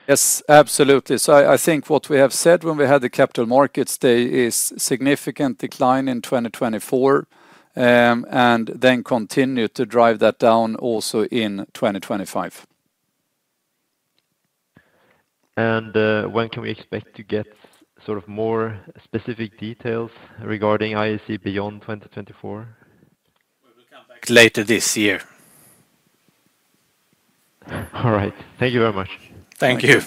Yes, absolutely. So I think what we have said when we had the Capital Markets Day is significant decline in 2024 and then continue to drive that down also in 2025. When can we expect to get sort of more specific details regarding ISC beyond 2024? Later this year. All right. Thank you very much. Thank you.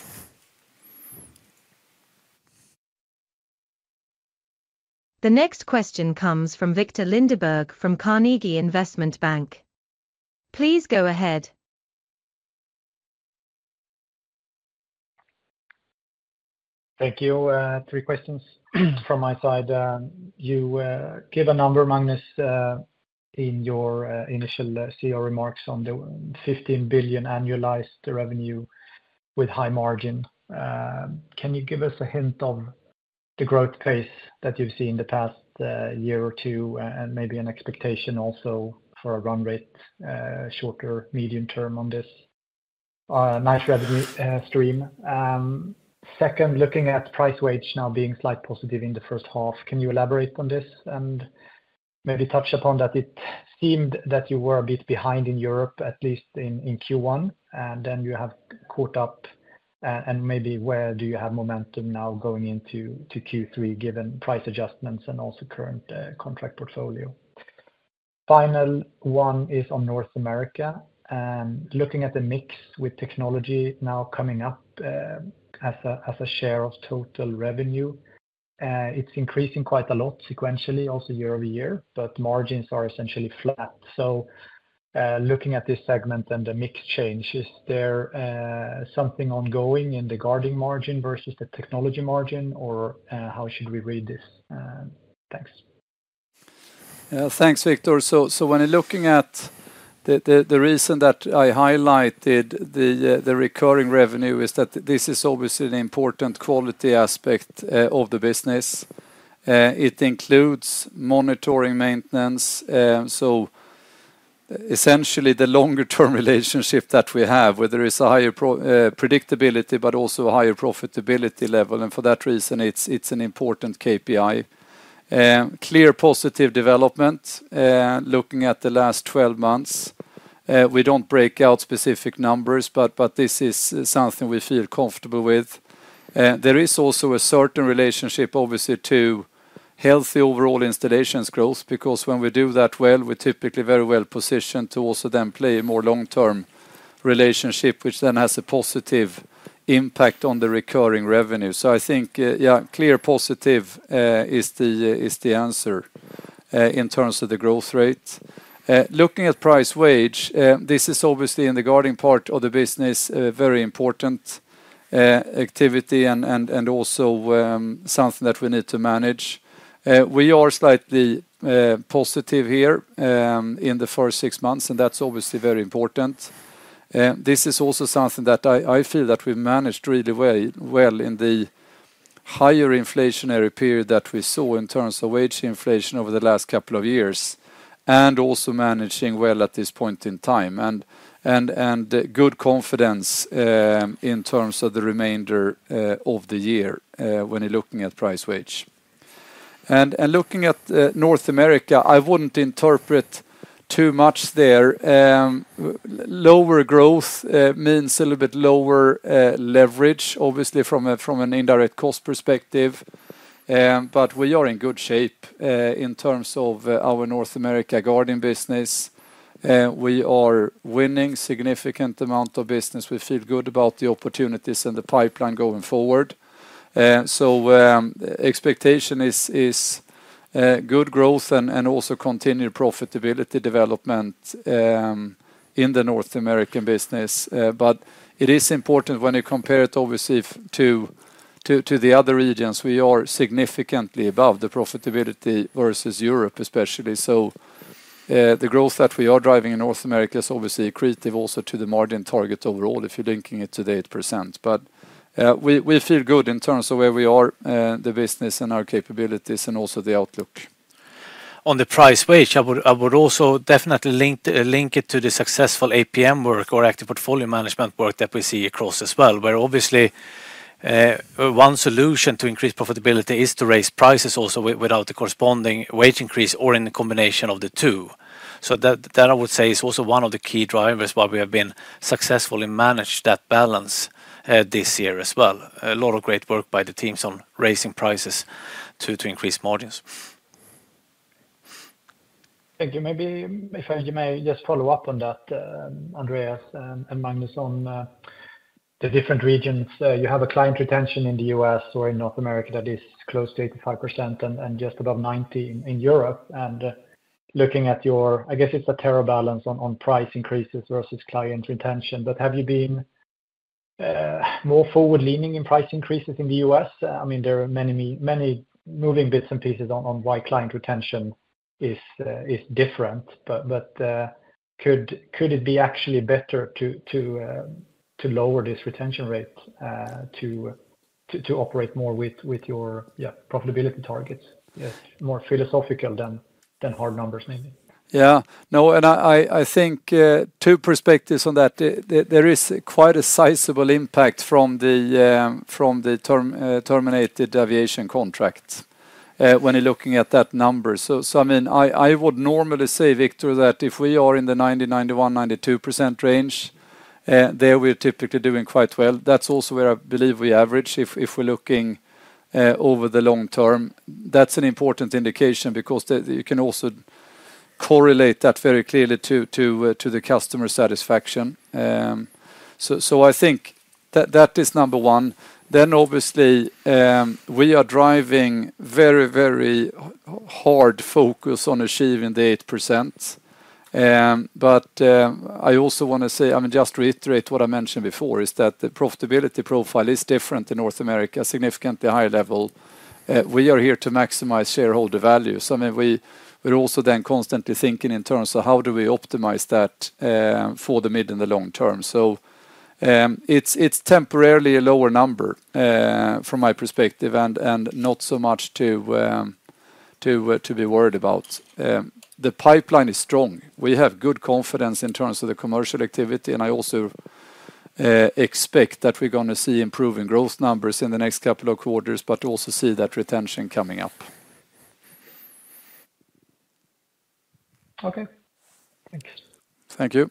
The next question comes from Viktor Lindeberg from Carnegie Investment Bank. Please go ahead. Thank you. Three questions from my side. You gave a number, Magnus, in your initial CEO remarks on the 15 billion annualized revenue with high margin. Can you give us a hint of the growth pace that you've seen the past year or two and maybe an expectation also for a run rate, shorter medium term on this nice revenue stream? Second, looking at price wage now being slightly positive in the first half, can you elaborate on this and maybe touch upon that it seemed that you were a bit behind in Europe, at least in Q1, and then you have caught up. And maybe where do you have momentum now going into Q3 given price adjustments and also current contract portfolio? Final one is on North America. Looking at the mix with technology now coming up as a share of total revenue, it's increasing quite a lot sequentially, also year-over-year, but margins are essentially flat. So looking at this segment and the mix change, is there something ongoing in the guarding margin versus the technology margin, or how should we read this? Thanks. Thanks, Viktor. So when looking at the reason that I highlighted the recurring revenue, it's that this is obviously an important quality aspect of the business. It includes monitoring maintenance. So essentially, the longer-term relationship that we have, whether it's a higher predictability, but also a higher profitability level. And for that reason, it's an important KPI. Clear positive development looking at the last 12 months. We don't break out specific numbers, but this is something we feel comfortable with. There is also a certain relationship, obviously, to healthy overall installations growth because when we do that well, we're typically very well positioned to also then play a more long-term relationship, which then has a positive impact on the recurring revenue. So I think, yeah, clear positive is the answer in terms of the growth rate. Looking at price wage, this is obviously in the guarding part of the business, very important activity and also something that we need to manage. We are slightly positive here in the first six months, and that's obviously very important. This is also something that I feel that we've managed really well in the higher inflationary period that we saw in terms of wage inflation over the last couple of years and also managing well at this point in time and good confidence in terms of the remainder of the year when you're looking at price wage. Looking at North America, I wouldn't interpret too much there. Lower growth means a little bit lower leverage, obviously, from an indirect cost perspective. But we are in good shape in terms of our North America guarding business. We are winning a significant amount of business. We feel good about the opportunities and the pipeline going forward. So expectation is good growth and also continued profitability development in the North American business. But it is important when you compare it, obviously, to the other regions. We are significantly above the profitability versus Europe, especially. So the growth that we are driving in North America is obviously creative also to the margin target overall if you're linking it to the 8%. But we feel good in terms of where we are, the business and our capabilities and also the outlook. On the price wage, I would also definitely link it to the successful APM work or active portfolio management work that we see across as well, where obviously one solution to increase profitability is to raise prices also without the corresponding wage increase or in the combination of the two. So that, I would say, is also one of the key drivers why we have been successful in managing that balance this year as well. A lot of great work by the teams on raising prices to increase margins. Thank you. Maybe if you may just follow up on that, Andreas and Magnus, on the different regions. You have a client retention in the U.S. or in North America that is close to 85% and just above 90% in Europe. And looking at your, I guess it's a delicate balance on price increases versus client retention. But have you been more forward-leaning in price increases in the US? I mean, there are many moving bits and pieces on why client retention is different. But could it be actually better to lower this retention rate to operate more with your profitability targets? More philosophical than hard numbers, maybe. Yeah. No, and I think two perspectives on that. There is quite a sizable impact from the terminated aviation contracts when you're looking at that number. So I mean, I would normally say, Viktor, that if we are in the 90%, 91%, 92% range, there we're typically doing quite well. That's also where I believe we average if we're looking over the long term. That's an important indication because you can also correlate that very clearly to the customer satisfaction. So I think that is number one. Then obviously, we are driving very, very hard focus on achieving the 8%. But I also want to say, I mean, just to reiterate what I mentioned before is that the profitability profile is different in North America, significantly higher level. We are here to maximize shareholder value. So I mean, we're also then constantly thinking in terms of how do we optimize that for the mid and the long term. So it's temporarily a lower number from my perspective and not so much to be worried about. The pipeline is strong. We have good confidence in terms of the commercial activity. And I also expect that we're going to see improving growth numbers in the next couple of quarters, but also see that retention coming up. Okay. Thanks. Thank you.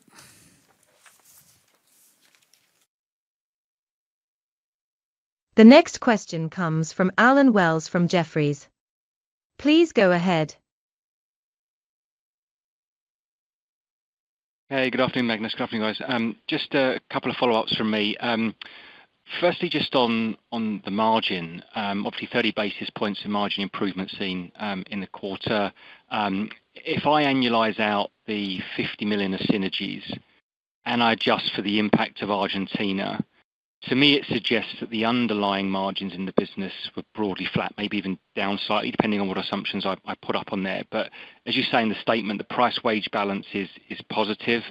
The next question comes from Allen Wells from Jefferies. Please go ahead. Hey, good afternoon, Magnus. Good afternoon, guys. Just a couple of follow-ups from me. Firstly, just on the margin, obviously 30 basis points of margin improvement seen in the quarter. If I annualize out the 50 million of synergies and I adjust for the impact of Argentina, to me, it suggests that the underlying margins in the business were broadly flat, maybe even down slightly, depending on what assumptions I put up on there. But as you say in the statement, the price wage balance is positive,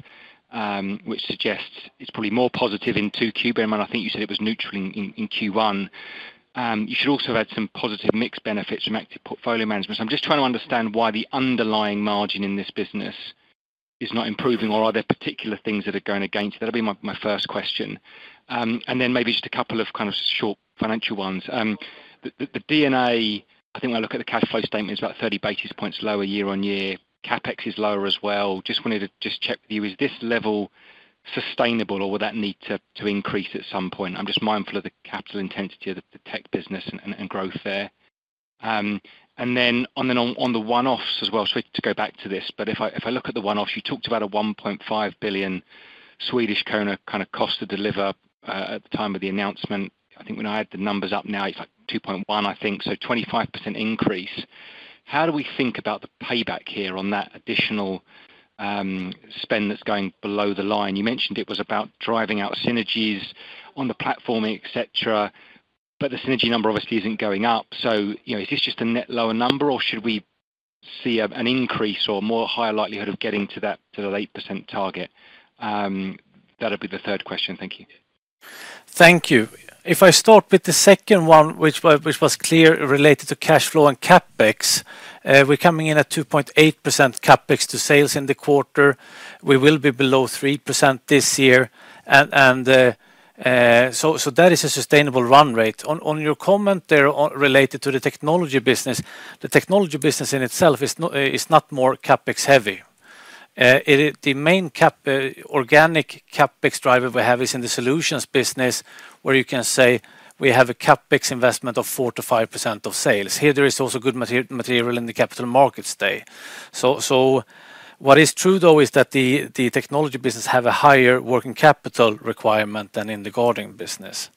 which suggests it's probably more positive in Q2. I think you said it was neutral in Q1. You should also have had some positive mixed benefits from active portfolio management. So I'm just trying to understand why the underlying margin in this business is not improving, or are there particular things that are going against it? That'll be my first question. And then maybe just a couple of kind of short financial ones. The D&A, I think when I look at the cash flow statement, is about 30 basis points lower year-on-year. CapEx is lower as well. Just wanted to just check with you, is this level sustainable, or will that need to increase at some point? I'm just mindful of the capital intensity of the tech business and growth there. And then on the one-offs as well, so to go back to this, but if I look at the one-offs, you talked about a 1.5 billion kind of cost to deliver at the time of the announcement. I think when I add the numbers up now, it's like 2.1, I think. So 25% increase. How do we think about the payback here on that additional spend that's going below the line? You mentioned it was about driving out synergies on the platform, etc., but the synergy number obviously isn't going up. So is this just a net lower number, or should we see an increase or a more higher likelihood of getting to that 8% target? That'll be the third question. Thank you. Thank you. If I start with the second one, which was clearly related to cash flow and CapEx, we're coming in at 2.8% CapEx to sales in the quarter. We will be below 3% this year. And so that is a sustainable run rate. On your comment there related to the technology business, the technology business in itself is not more CapEx-heavy. The main organic CapEx driver we have is in the solutions business, where you can say we have a CapEx investment of 4%-5% of sales. Here, there is also good material in the capital markets today. So what is true, though, is that the technology business has a higher working capital requirement than in the guarding business.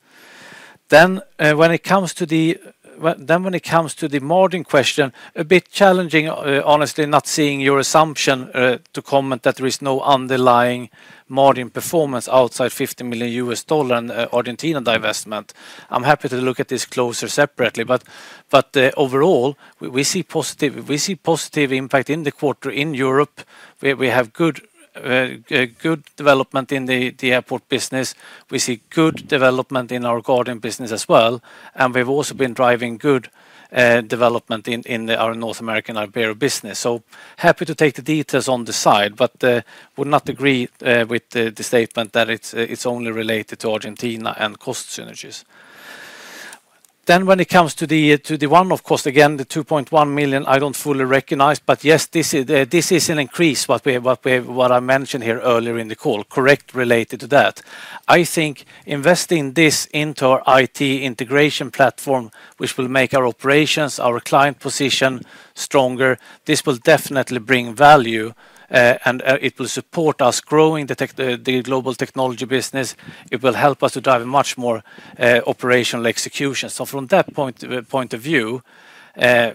Then when it comes to the margin question, a bit challenging, honestly, not seeing your assumption to comment that there is no underlying margin performance outside $50 million in Argentina divestment. I'm happy to look at this closer separately. But overall, we see positive impact in the quarter in Europe. We have good development in the airport business. We see good development in our guarding business as well. And we've also been driving good development in our North America and Ibero-America business. So happy to take the details on the side, but would not agree with the statement that it's only related to Argentina and cost synergies. Then when it comes to the one-off cost, again, the 2.1 million, I don't fully recognize. But yes, this is an increase, what I mentioned here earlier in the call, correct related to that. I think investing this into our IT integration platform, which will make our operations, our client position stronger, this will definitely bring value, and it will support us growing the global technology business. It will help us to drive much more operational execution. So from that point of view, I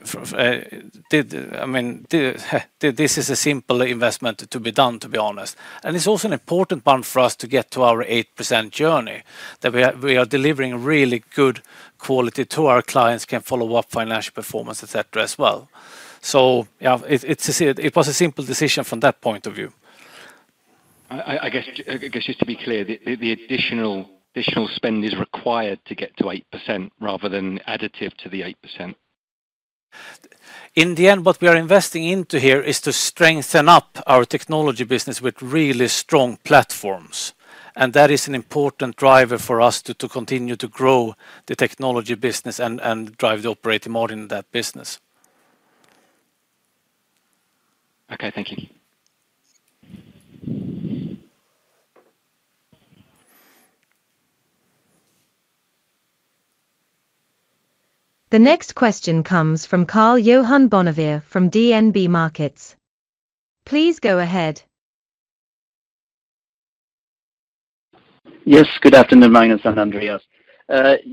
mean, this is a simple investment to be done, to be honest. And it's also an important one for us to get to our 8% journey, that we are delivering really good quality to our clients, can follow up financial performance, etc. as well. So it was a simple decision from that point of view. I guess just to be clear, the additional spend is required to get to 8% rather than additive to the 8%. In the end, what we are investing into here is to strengthen up our technology business with really strong platforms. That is an important driver for us to continue to grow the technology business and drive the operating model in that business. Okay, thank you. The next question comes from Karl-Johan Bonnevier from DNB Markets. Please go ahead. Yes, good afternoon, Magnus and Andreas.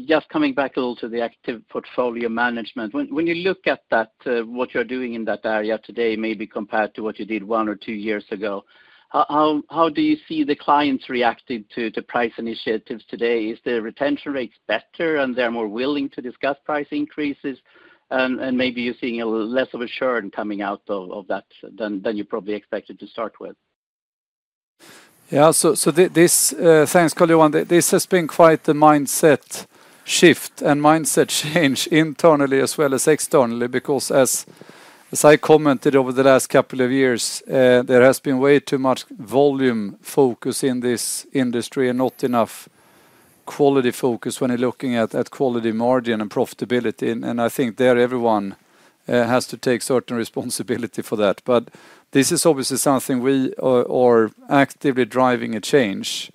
Just coming back a little to the active portfolio management. When you look at that, what you're doing in that area today, maybe compared to what you did one or two years ago, how do you see the clients reacting to price initiatives today? Is the retention rate better, and they're more willing to discuss price increases? And maybe you're seeing less of a churn coming out of that than you probably expected to start with. Yeah, so thanks, Karl-Johan. This has been quite a mindset shift and mindset change internally as well as externally because, as I commented over the last couple of years, there has been way too much volume focus in this industry and not enough quality focus when you're looking at quality margin and profitability. And I think that everyone has to take certain responsibility for that. But this is obviously something we are actively driving a change.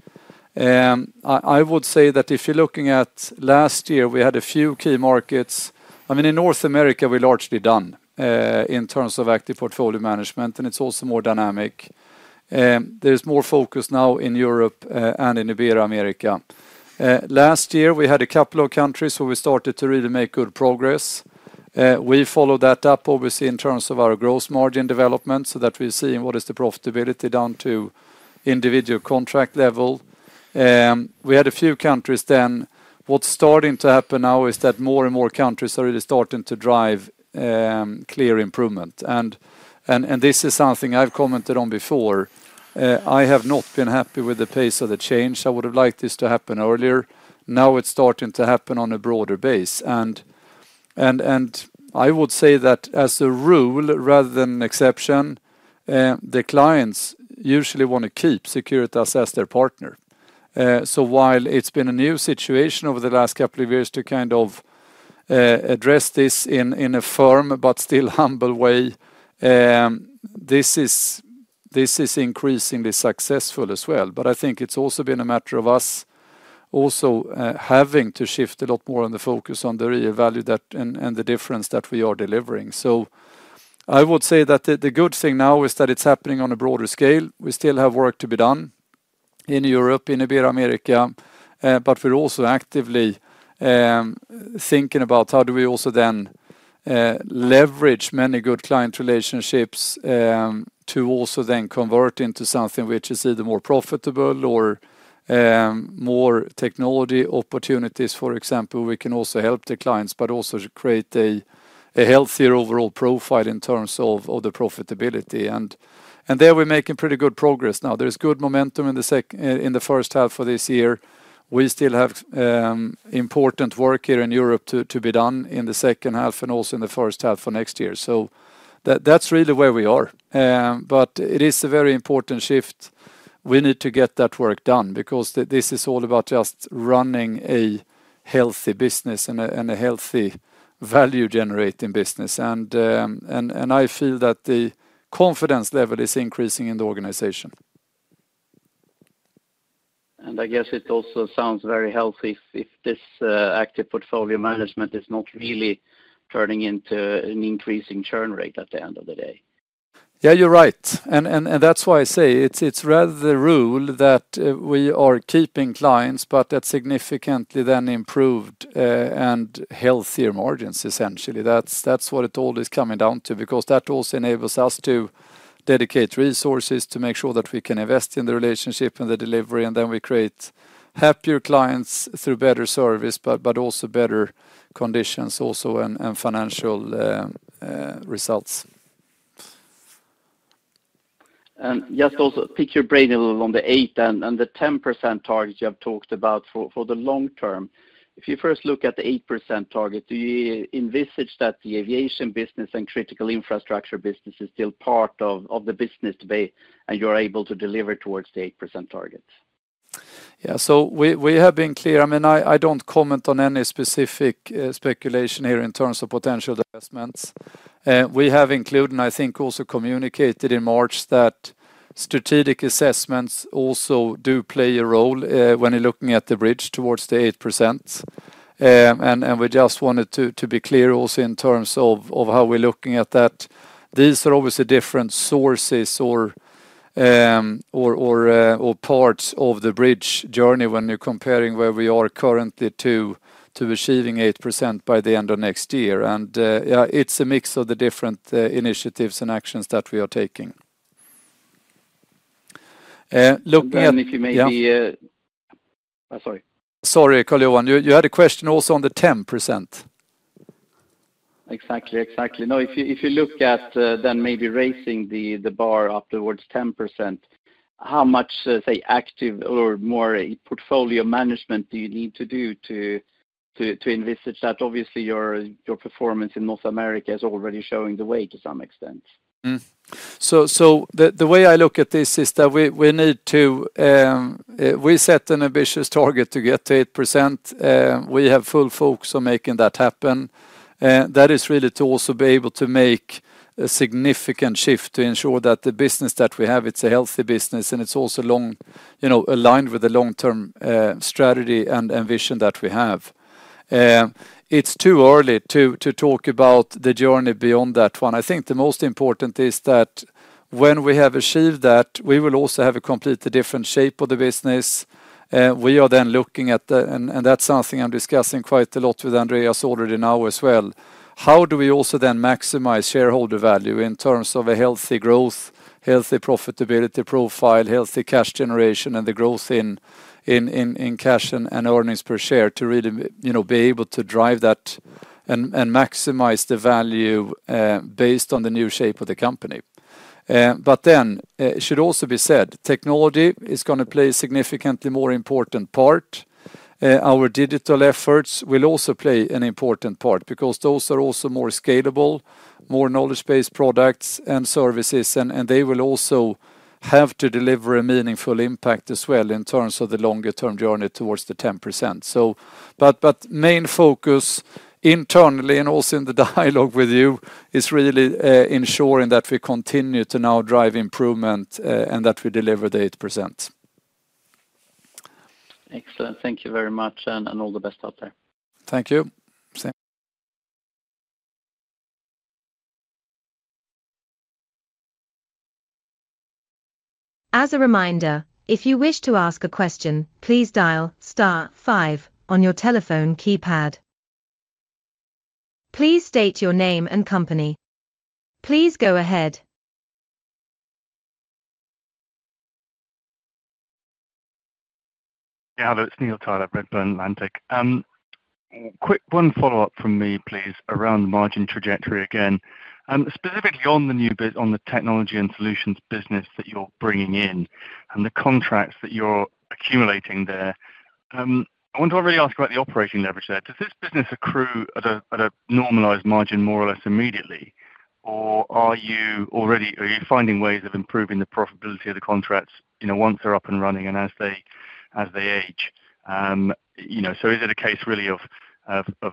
I would say that if you're looking at last year, we had a few key markets. I mean, in North America, we're largely done in terms of active portfolio management, and it's also more dynamic. There's more focus now in Europe and in Ibero-America. Last year, we had a couple of countries where we started to really make good progress. We follow that up, obviously, in terms of our gross margin development so that we're seeing what is the profitability down to individual contract level. We had a few countries then. What's starting to happen now is that more and more countries are really starting to drive clear improvement. And this is something I've commented on before. I have not been happy with the pace of the change. I would have liked this to happen earlier. Now it's starting to happen on a broader base. And I would say that as a rule, rather than an exception, the clients usually want to keep Securitas as their partner. So while it's been a new situation over the last couple of years to kind of address this in a firm but still humble way, this is increasingly successful as well. But I think it's also been a matter of us also having to shift a lot more on the focus on the real value and the difference that we are delivering. So I would say that the good thing now is that it's happening on a broader scale. We still have work to be done in Europe, in Ibero-America, but we're also actively thinking about how do we also then leverage many good client relationships to also then convert into something which is either more profitable or more technology opportunities, for example, where we can also help the clients, but also create a healthier overall profile in terms of the profitability. And there we're making pretty good progress now. There's good momentum in the first half of this year. We still have important work here in Europe to be done in the second half and also in the first half for next year. So that's really where we are. But it is a very important shift. We need to get that work done because this is all about just running a healthy business and a healthy value-generating business. And I feel that the confidence level is increasing in the organization. I guess it also sounds very healthy if this active portfolio management is not really turning into an increasing churn rate at the end of the day. Yeah, you're right. That's why I say it's rather the rule that we are keeping clients, but that significantly then improved and healthier margins, essentially. That's what it all is coming down to because that also enables us to dedicate resources to make sure that we can invest in the relationship and the delivery, and then we create happier clients through better service, but also better conditions, also and financial results. Just also pick your brain a little on the 8% and the 10% target you have talked about for the long term. If you first look at the 8% target, do you envisage that the aviation business and critical infrastructure business is still part of the business to be and you're able to deliver towards the 8% target? Yeah, so we have been clear. I mean, I don't comment on any specific speculation here in terms of potential investments. We have included, and I think also communicated in March that strategic assessments also do play a role when you're looking at the bridge towards the 8%. And we just wanted to be clear also in terms of how we're looking at that. These are obviously different sources or parts of the bridge journey when you're comparing where we are currently to achieving 8% by the end of next year. And yeah, it's a mix of the different initiatives and actions that we are taking. If you maybe. Sorry. Sorry, Karl-Johan. You had a question also on the 10%. Exactly, exactly. No, if you look at then maybe raising the bar up towards 10%, how much, say, active or more portfolio management do you need to do to envisage that? Obviously, your performance in North America is already showing the way to some extent. The way I look at this is that we need to set an ambitious target to get to 8%. We have full focus on making that happen. That is really to also be able to make a significant shift to ensure that the business that we have, it's a healthy business, and it's also aligned with the long-term strategy and vision that we have. It's too early to talk about the journey beyond that one. I think the most important is that when we have achieved that, we will also have a completely different shape of the business. We are then looking at, and that's something I'm discussing quite a lot with Andreas already now as well. How do we also then maximize shareholder value in terms of a healthy growth, healthy profitability profile, healthy cash generation, and the growth in cash and earnings per share to really be able to drive that and maximize the value based on the new shape of the company? But then it should also be said, technology is going to play a significantly more important part. Our digital efforts will also play an important part because those are also more scalable, more knowledge-based products and services, and they will also have to deliver a meaningful impact as well in terms of the longer-term journey towards the 10%. But main focus internally and also in the dialogue with you is really ensuring that we continue to now drive improvement and that we deliver the 8%. Excellent. Thank you very much and all the best out there. Thank you. As a reminder, if you wish to ask a question, please dial star five on your telephone keypad. Please state your name and company. Please go ahead. Yeah, hello, it's Neil Tyler from Redburn Atlantic. Quick one follow-up from me, please, around the margin trajectory again. Specifically on the technology and solutions business that you're bringing in and the contracts that you're accumulating there, I want to really ask about the operating leverage there. Does this business accrue at a normalized margin more or less immediately, or are you finding ways of improving the profitability of the contracts once they're up and running and as they age? So is it a case really of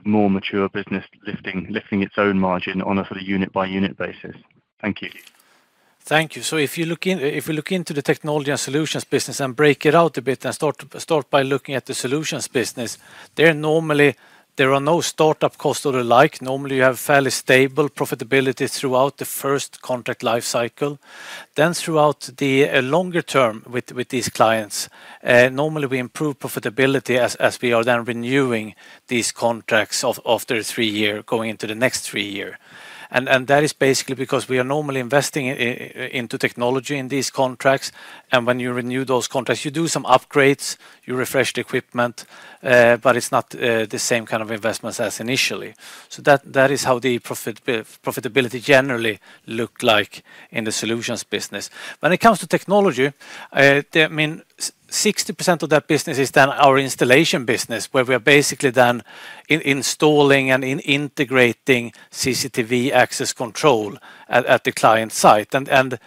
more mature business lifting its own margin on a sort of unit-by-unit basis? Thank you. Thank you. So if you look into the technology and solutions business and break it out a bit and start by looking at the solutions business, there are no startup costs or the like. Normally, you have fairly stable profitability throughout the first contract lifecycle. Then throughout the longer term with these clients, normally we improve profitability as we are then renewing these contracts after three years, going into the next three years. And that is basically because we are normally investing into technology in these contracts. And when you renew those contracts, you do some upgrades, you refresh the equipment, but it's not the same kind of investments as initially. So that is how the profitability generally looked like in the solutions business. When it comes to technology, I mean, 60% of that business is then our installation business, where we are basically then installing and integrating CCTV access control at the client site. And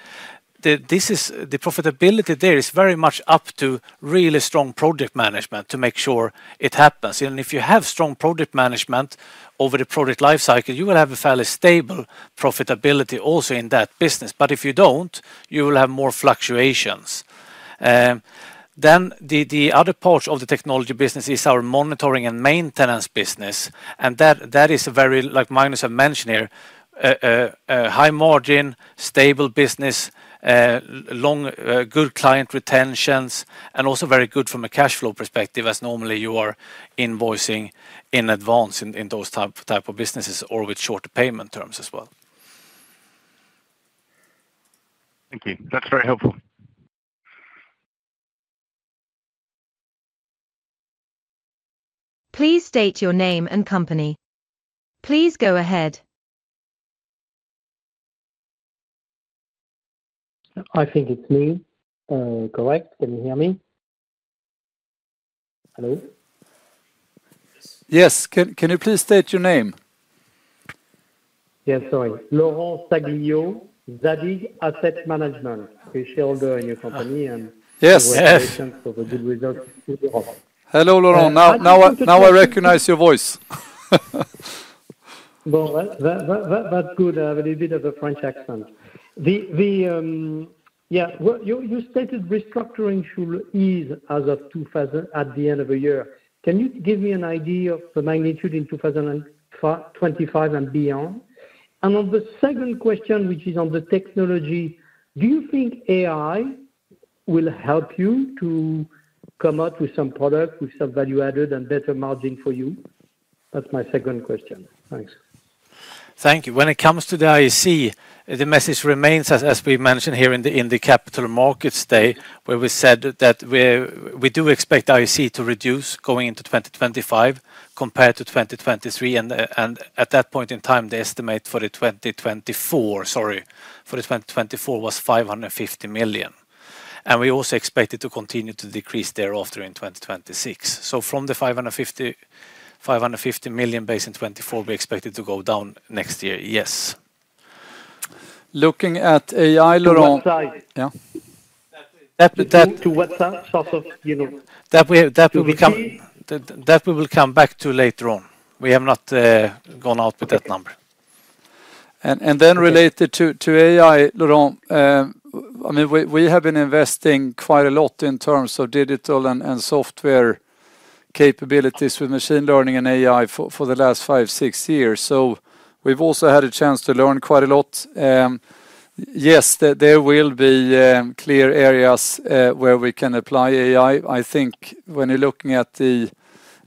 the profitability there is very much up to really strong project management to make sure it happens. And if you have strong project management over the project lifecycle, you will have a fairly stable profitability also in that business. But if you don't, you will have more fluctuations. Then the other part of the technology business is our monitoring and maintenance business. And that is very, like Magnus has mentioned here, high margin, stable business, long good client retentions, and also very good from a cash flow perspective, as normally you are invoicing in advance in those type of businesses or with shorter payment terms as well. Thank you. That's very helpful. Please state your name and company. Please go ahead. I think it's me. Correct? Can you hear me? Hello? Yes. Can you please state your name? Yes, sorry. Laurent Saglio, Zadig Asset Management. I share the company and we're very attentive to the good results too. Hello, Laurent. Now I recognize your voice. That's good. I have a little bit of a French accent. Yeah, you stated restructuring should ease as of at the end of the year. Can you give me an idea of the magnitude in 2025 and beyond? And on the second question, which is on the technology, do you think AI will help you to come up with some product with some value added and better margin for you? That's my second question. Thanks. Thank you. When it comes to the IC, the message remains, as we mentioned here in the Capital Markets Day, where we said that we do expect IC to reduce going into 2025 compared to 2023. And at that point in time, the estimate for the 2024, sorry, for the 2024 was 550 million. And we also expected to continue to decrease thereafter in 2026. So from the 550 million based in 2024, we expected to go down next year. Yes. Looking at AI, Laurent. That's a good one. That will come back to later on. We have not gone out with that number. And then related to AI, Laurent, I mean, we have been investing quite a lot in terms of digital and software capabilities with machine learning and AI for the last five, six years. So we've also had a chance to learn quite a lot. Yes, there will be clear areas where we can apply AI. I think when you're looking at the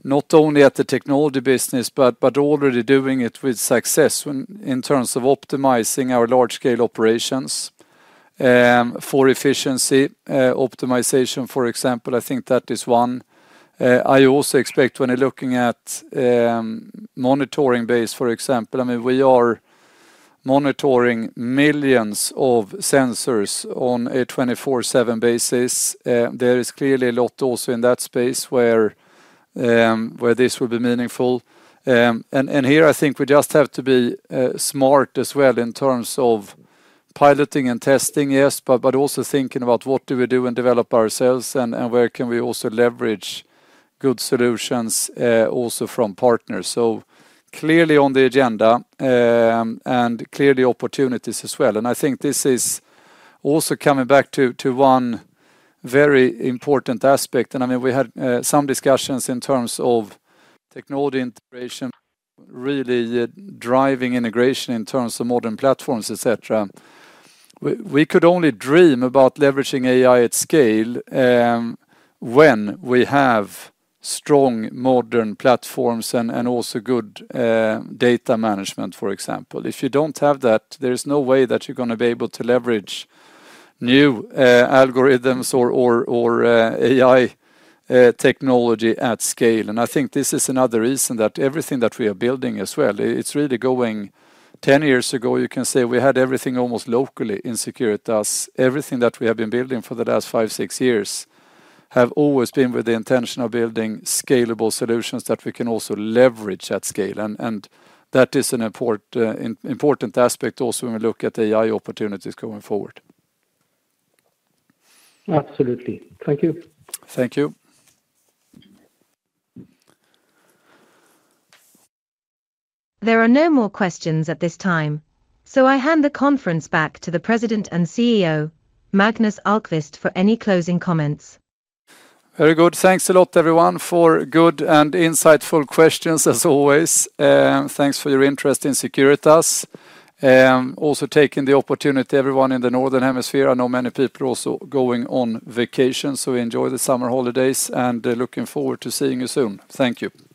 not only at the technology business, but already doing it with success in terms of optimizing our large-scale operations for efficiency optimization, for example, I think that is one. I also expect when you're looking at monitoring-based, for example, I mean, we are monitoring millions of sensors on a 24/7 basis. There is clearly a lot also in that space where this will be meaningful. And here, I think we just have to be smart as well in terms of piloting and testing, yes, but also thinking about what do we do and develop ourselves and where can we also leverage good solutions also from partners. So clearly on the agenda and clearly opportunities as well. And I think this is also coming back to one very important aspect. And I mean, we had some discussions in terms of technology integration, really driving integration in terms of modern platforms, etc. We could only dream about leveraging AI at scale when we have strong modern platforms and also good data management, for example. If you don't have that, there is no way that you're going to be able to leverage new algorithms or AI technology at scale. I think this is another reason that everything that we are building as well. It's really going 10 years ago, you can say we had everything almost locally in Securitas. Everything that we have been building for the last five, six years have always been with the intention of building scalable solutions that we can also leverage at scale. That is an important aspect also when we look at AI opportunities going forward. Absolutely. Thank you. Thank you. There are no more questions at this time. So I hand the conference back to the President and CEO, Magnus Ahlqvist, for any closing comments. Very good. Thanks a lot, everyone, for good and insightful questions as always. Thanks for your interest in Securitas. Also taking the opportunity, everyone in the northern hemisphere, I know many people also going on vacation, so enjoy the summer holidays and looking forward to seeing you soon. Thank you.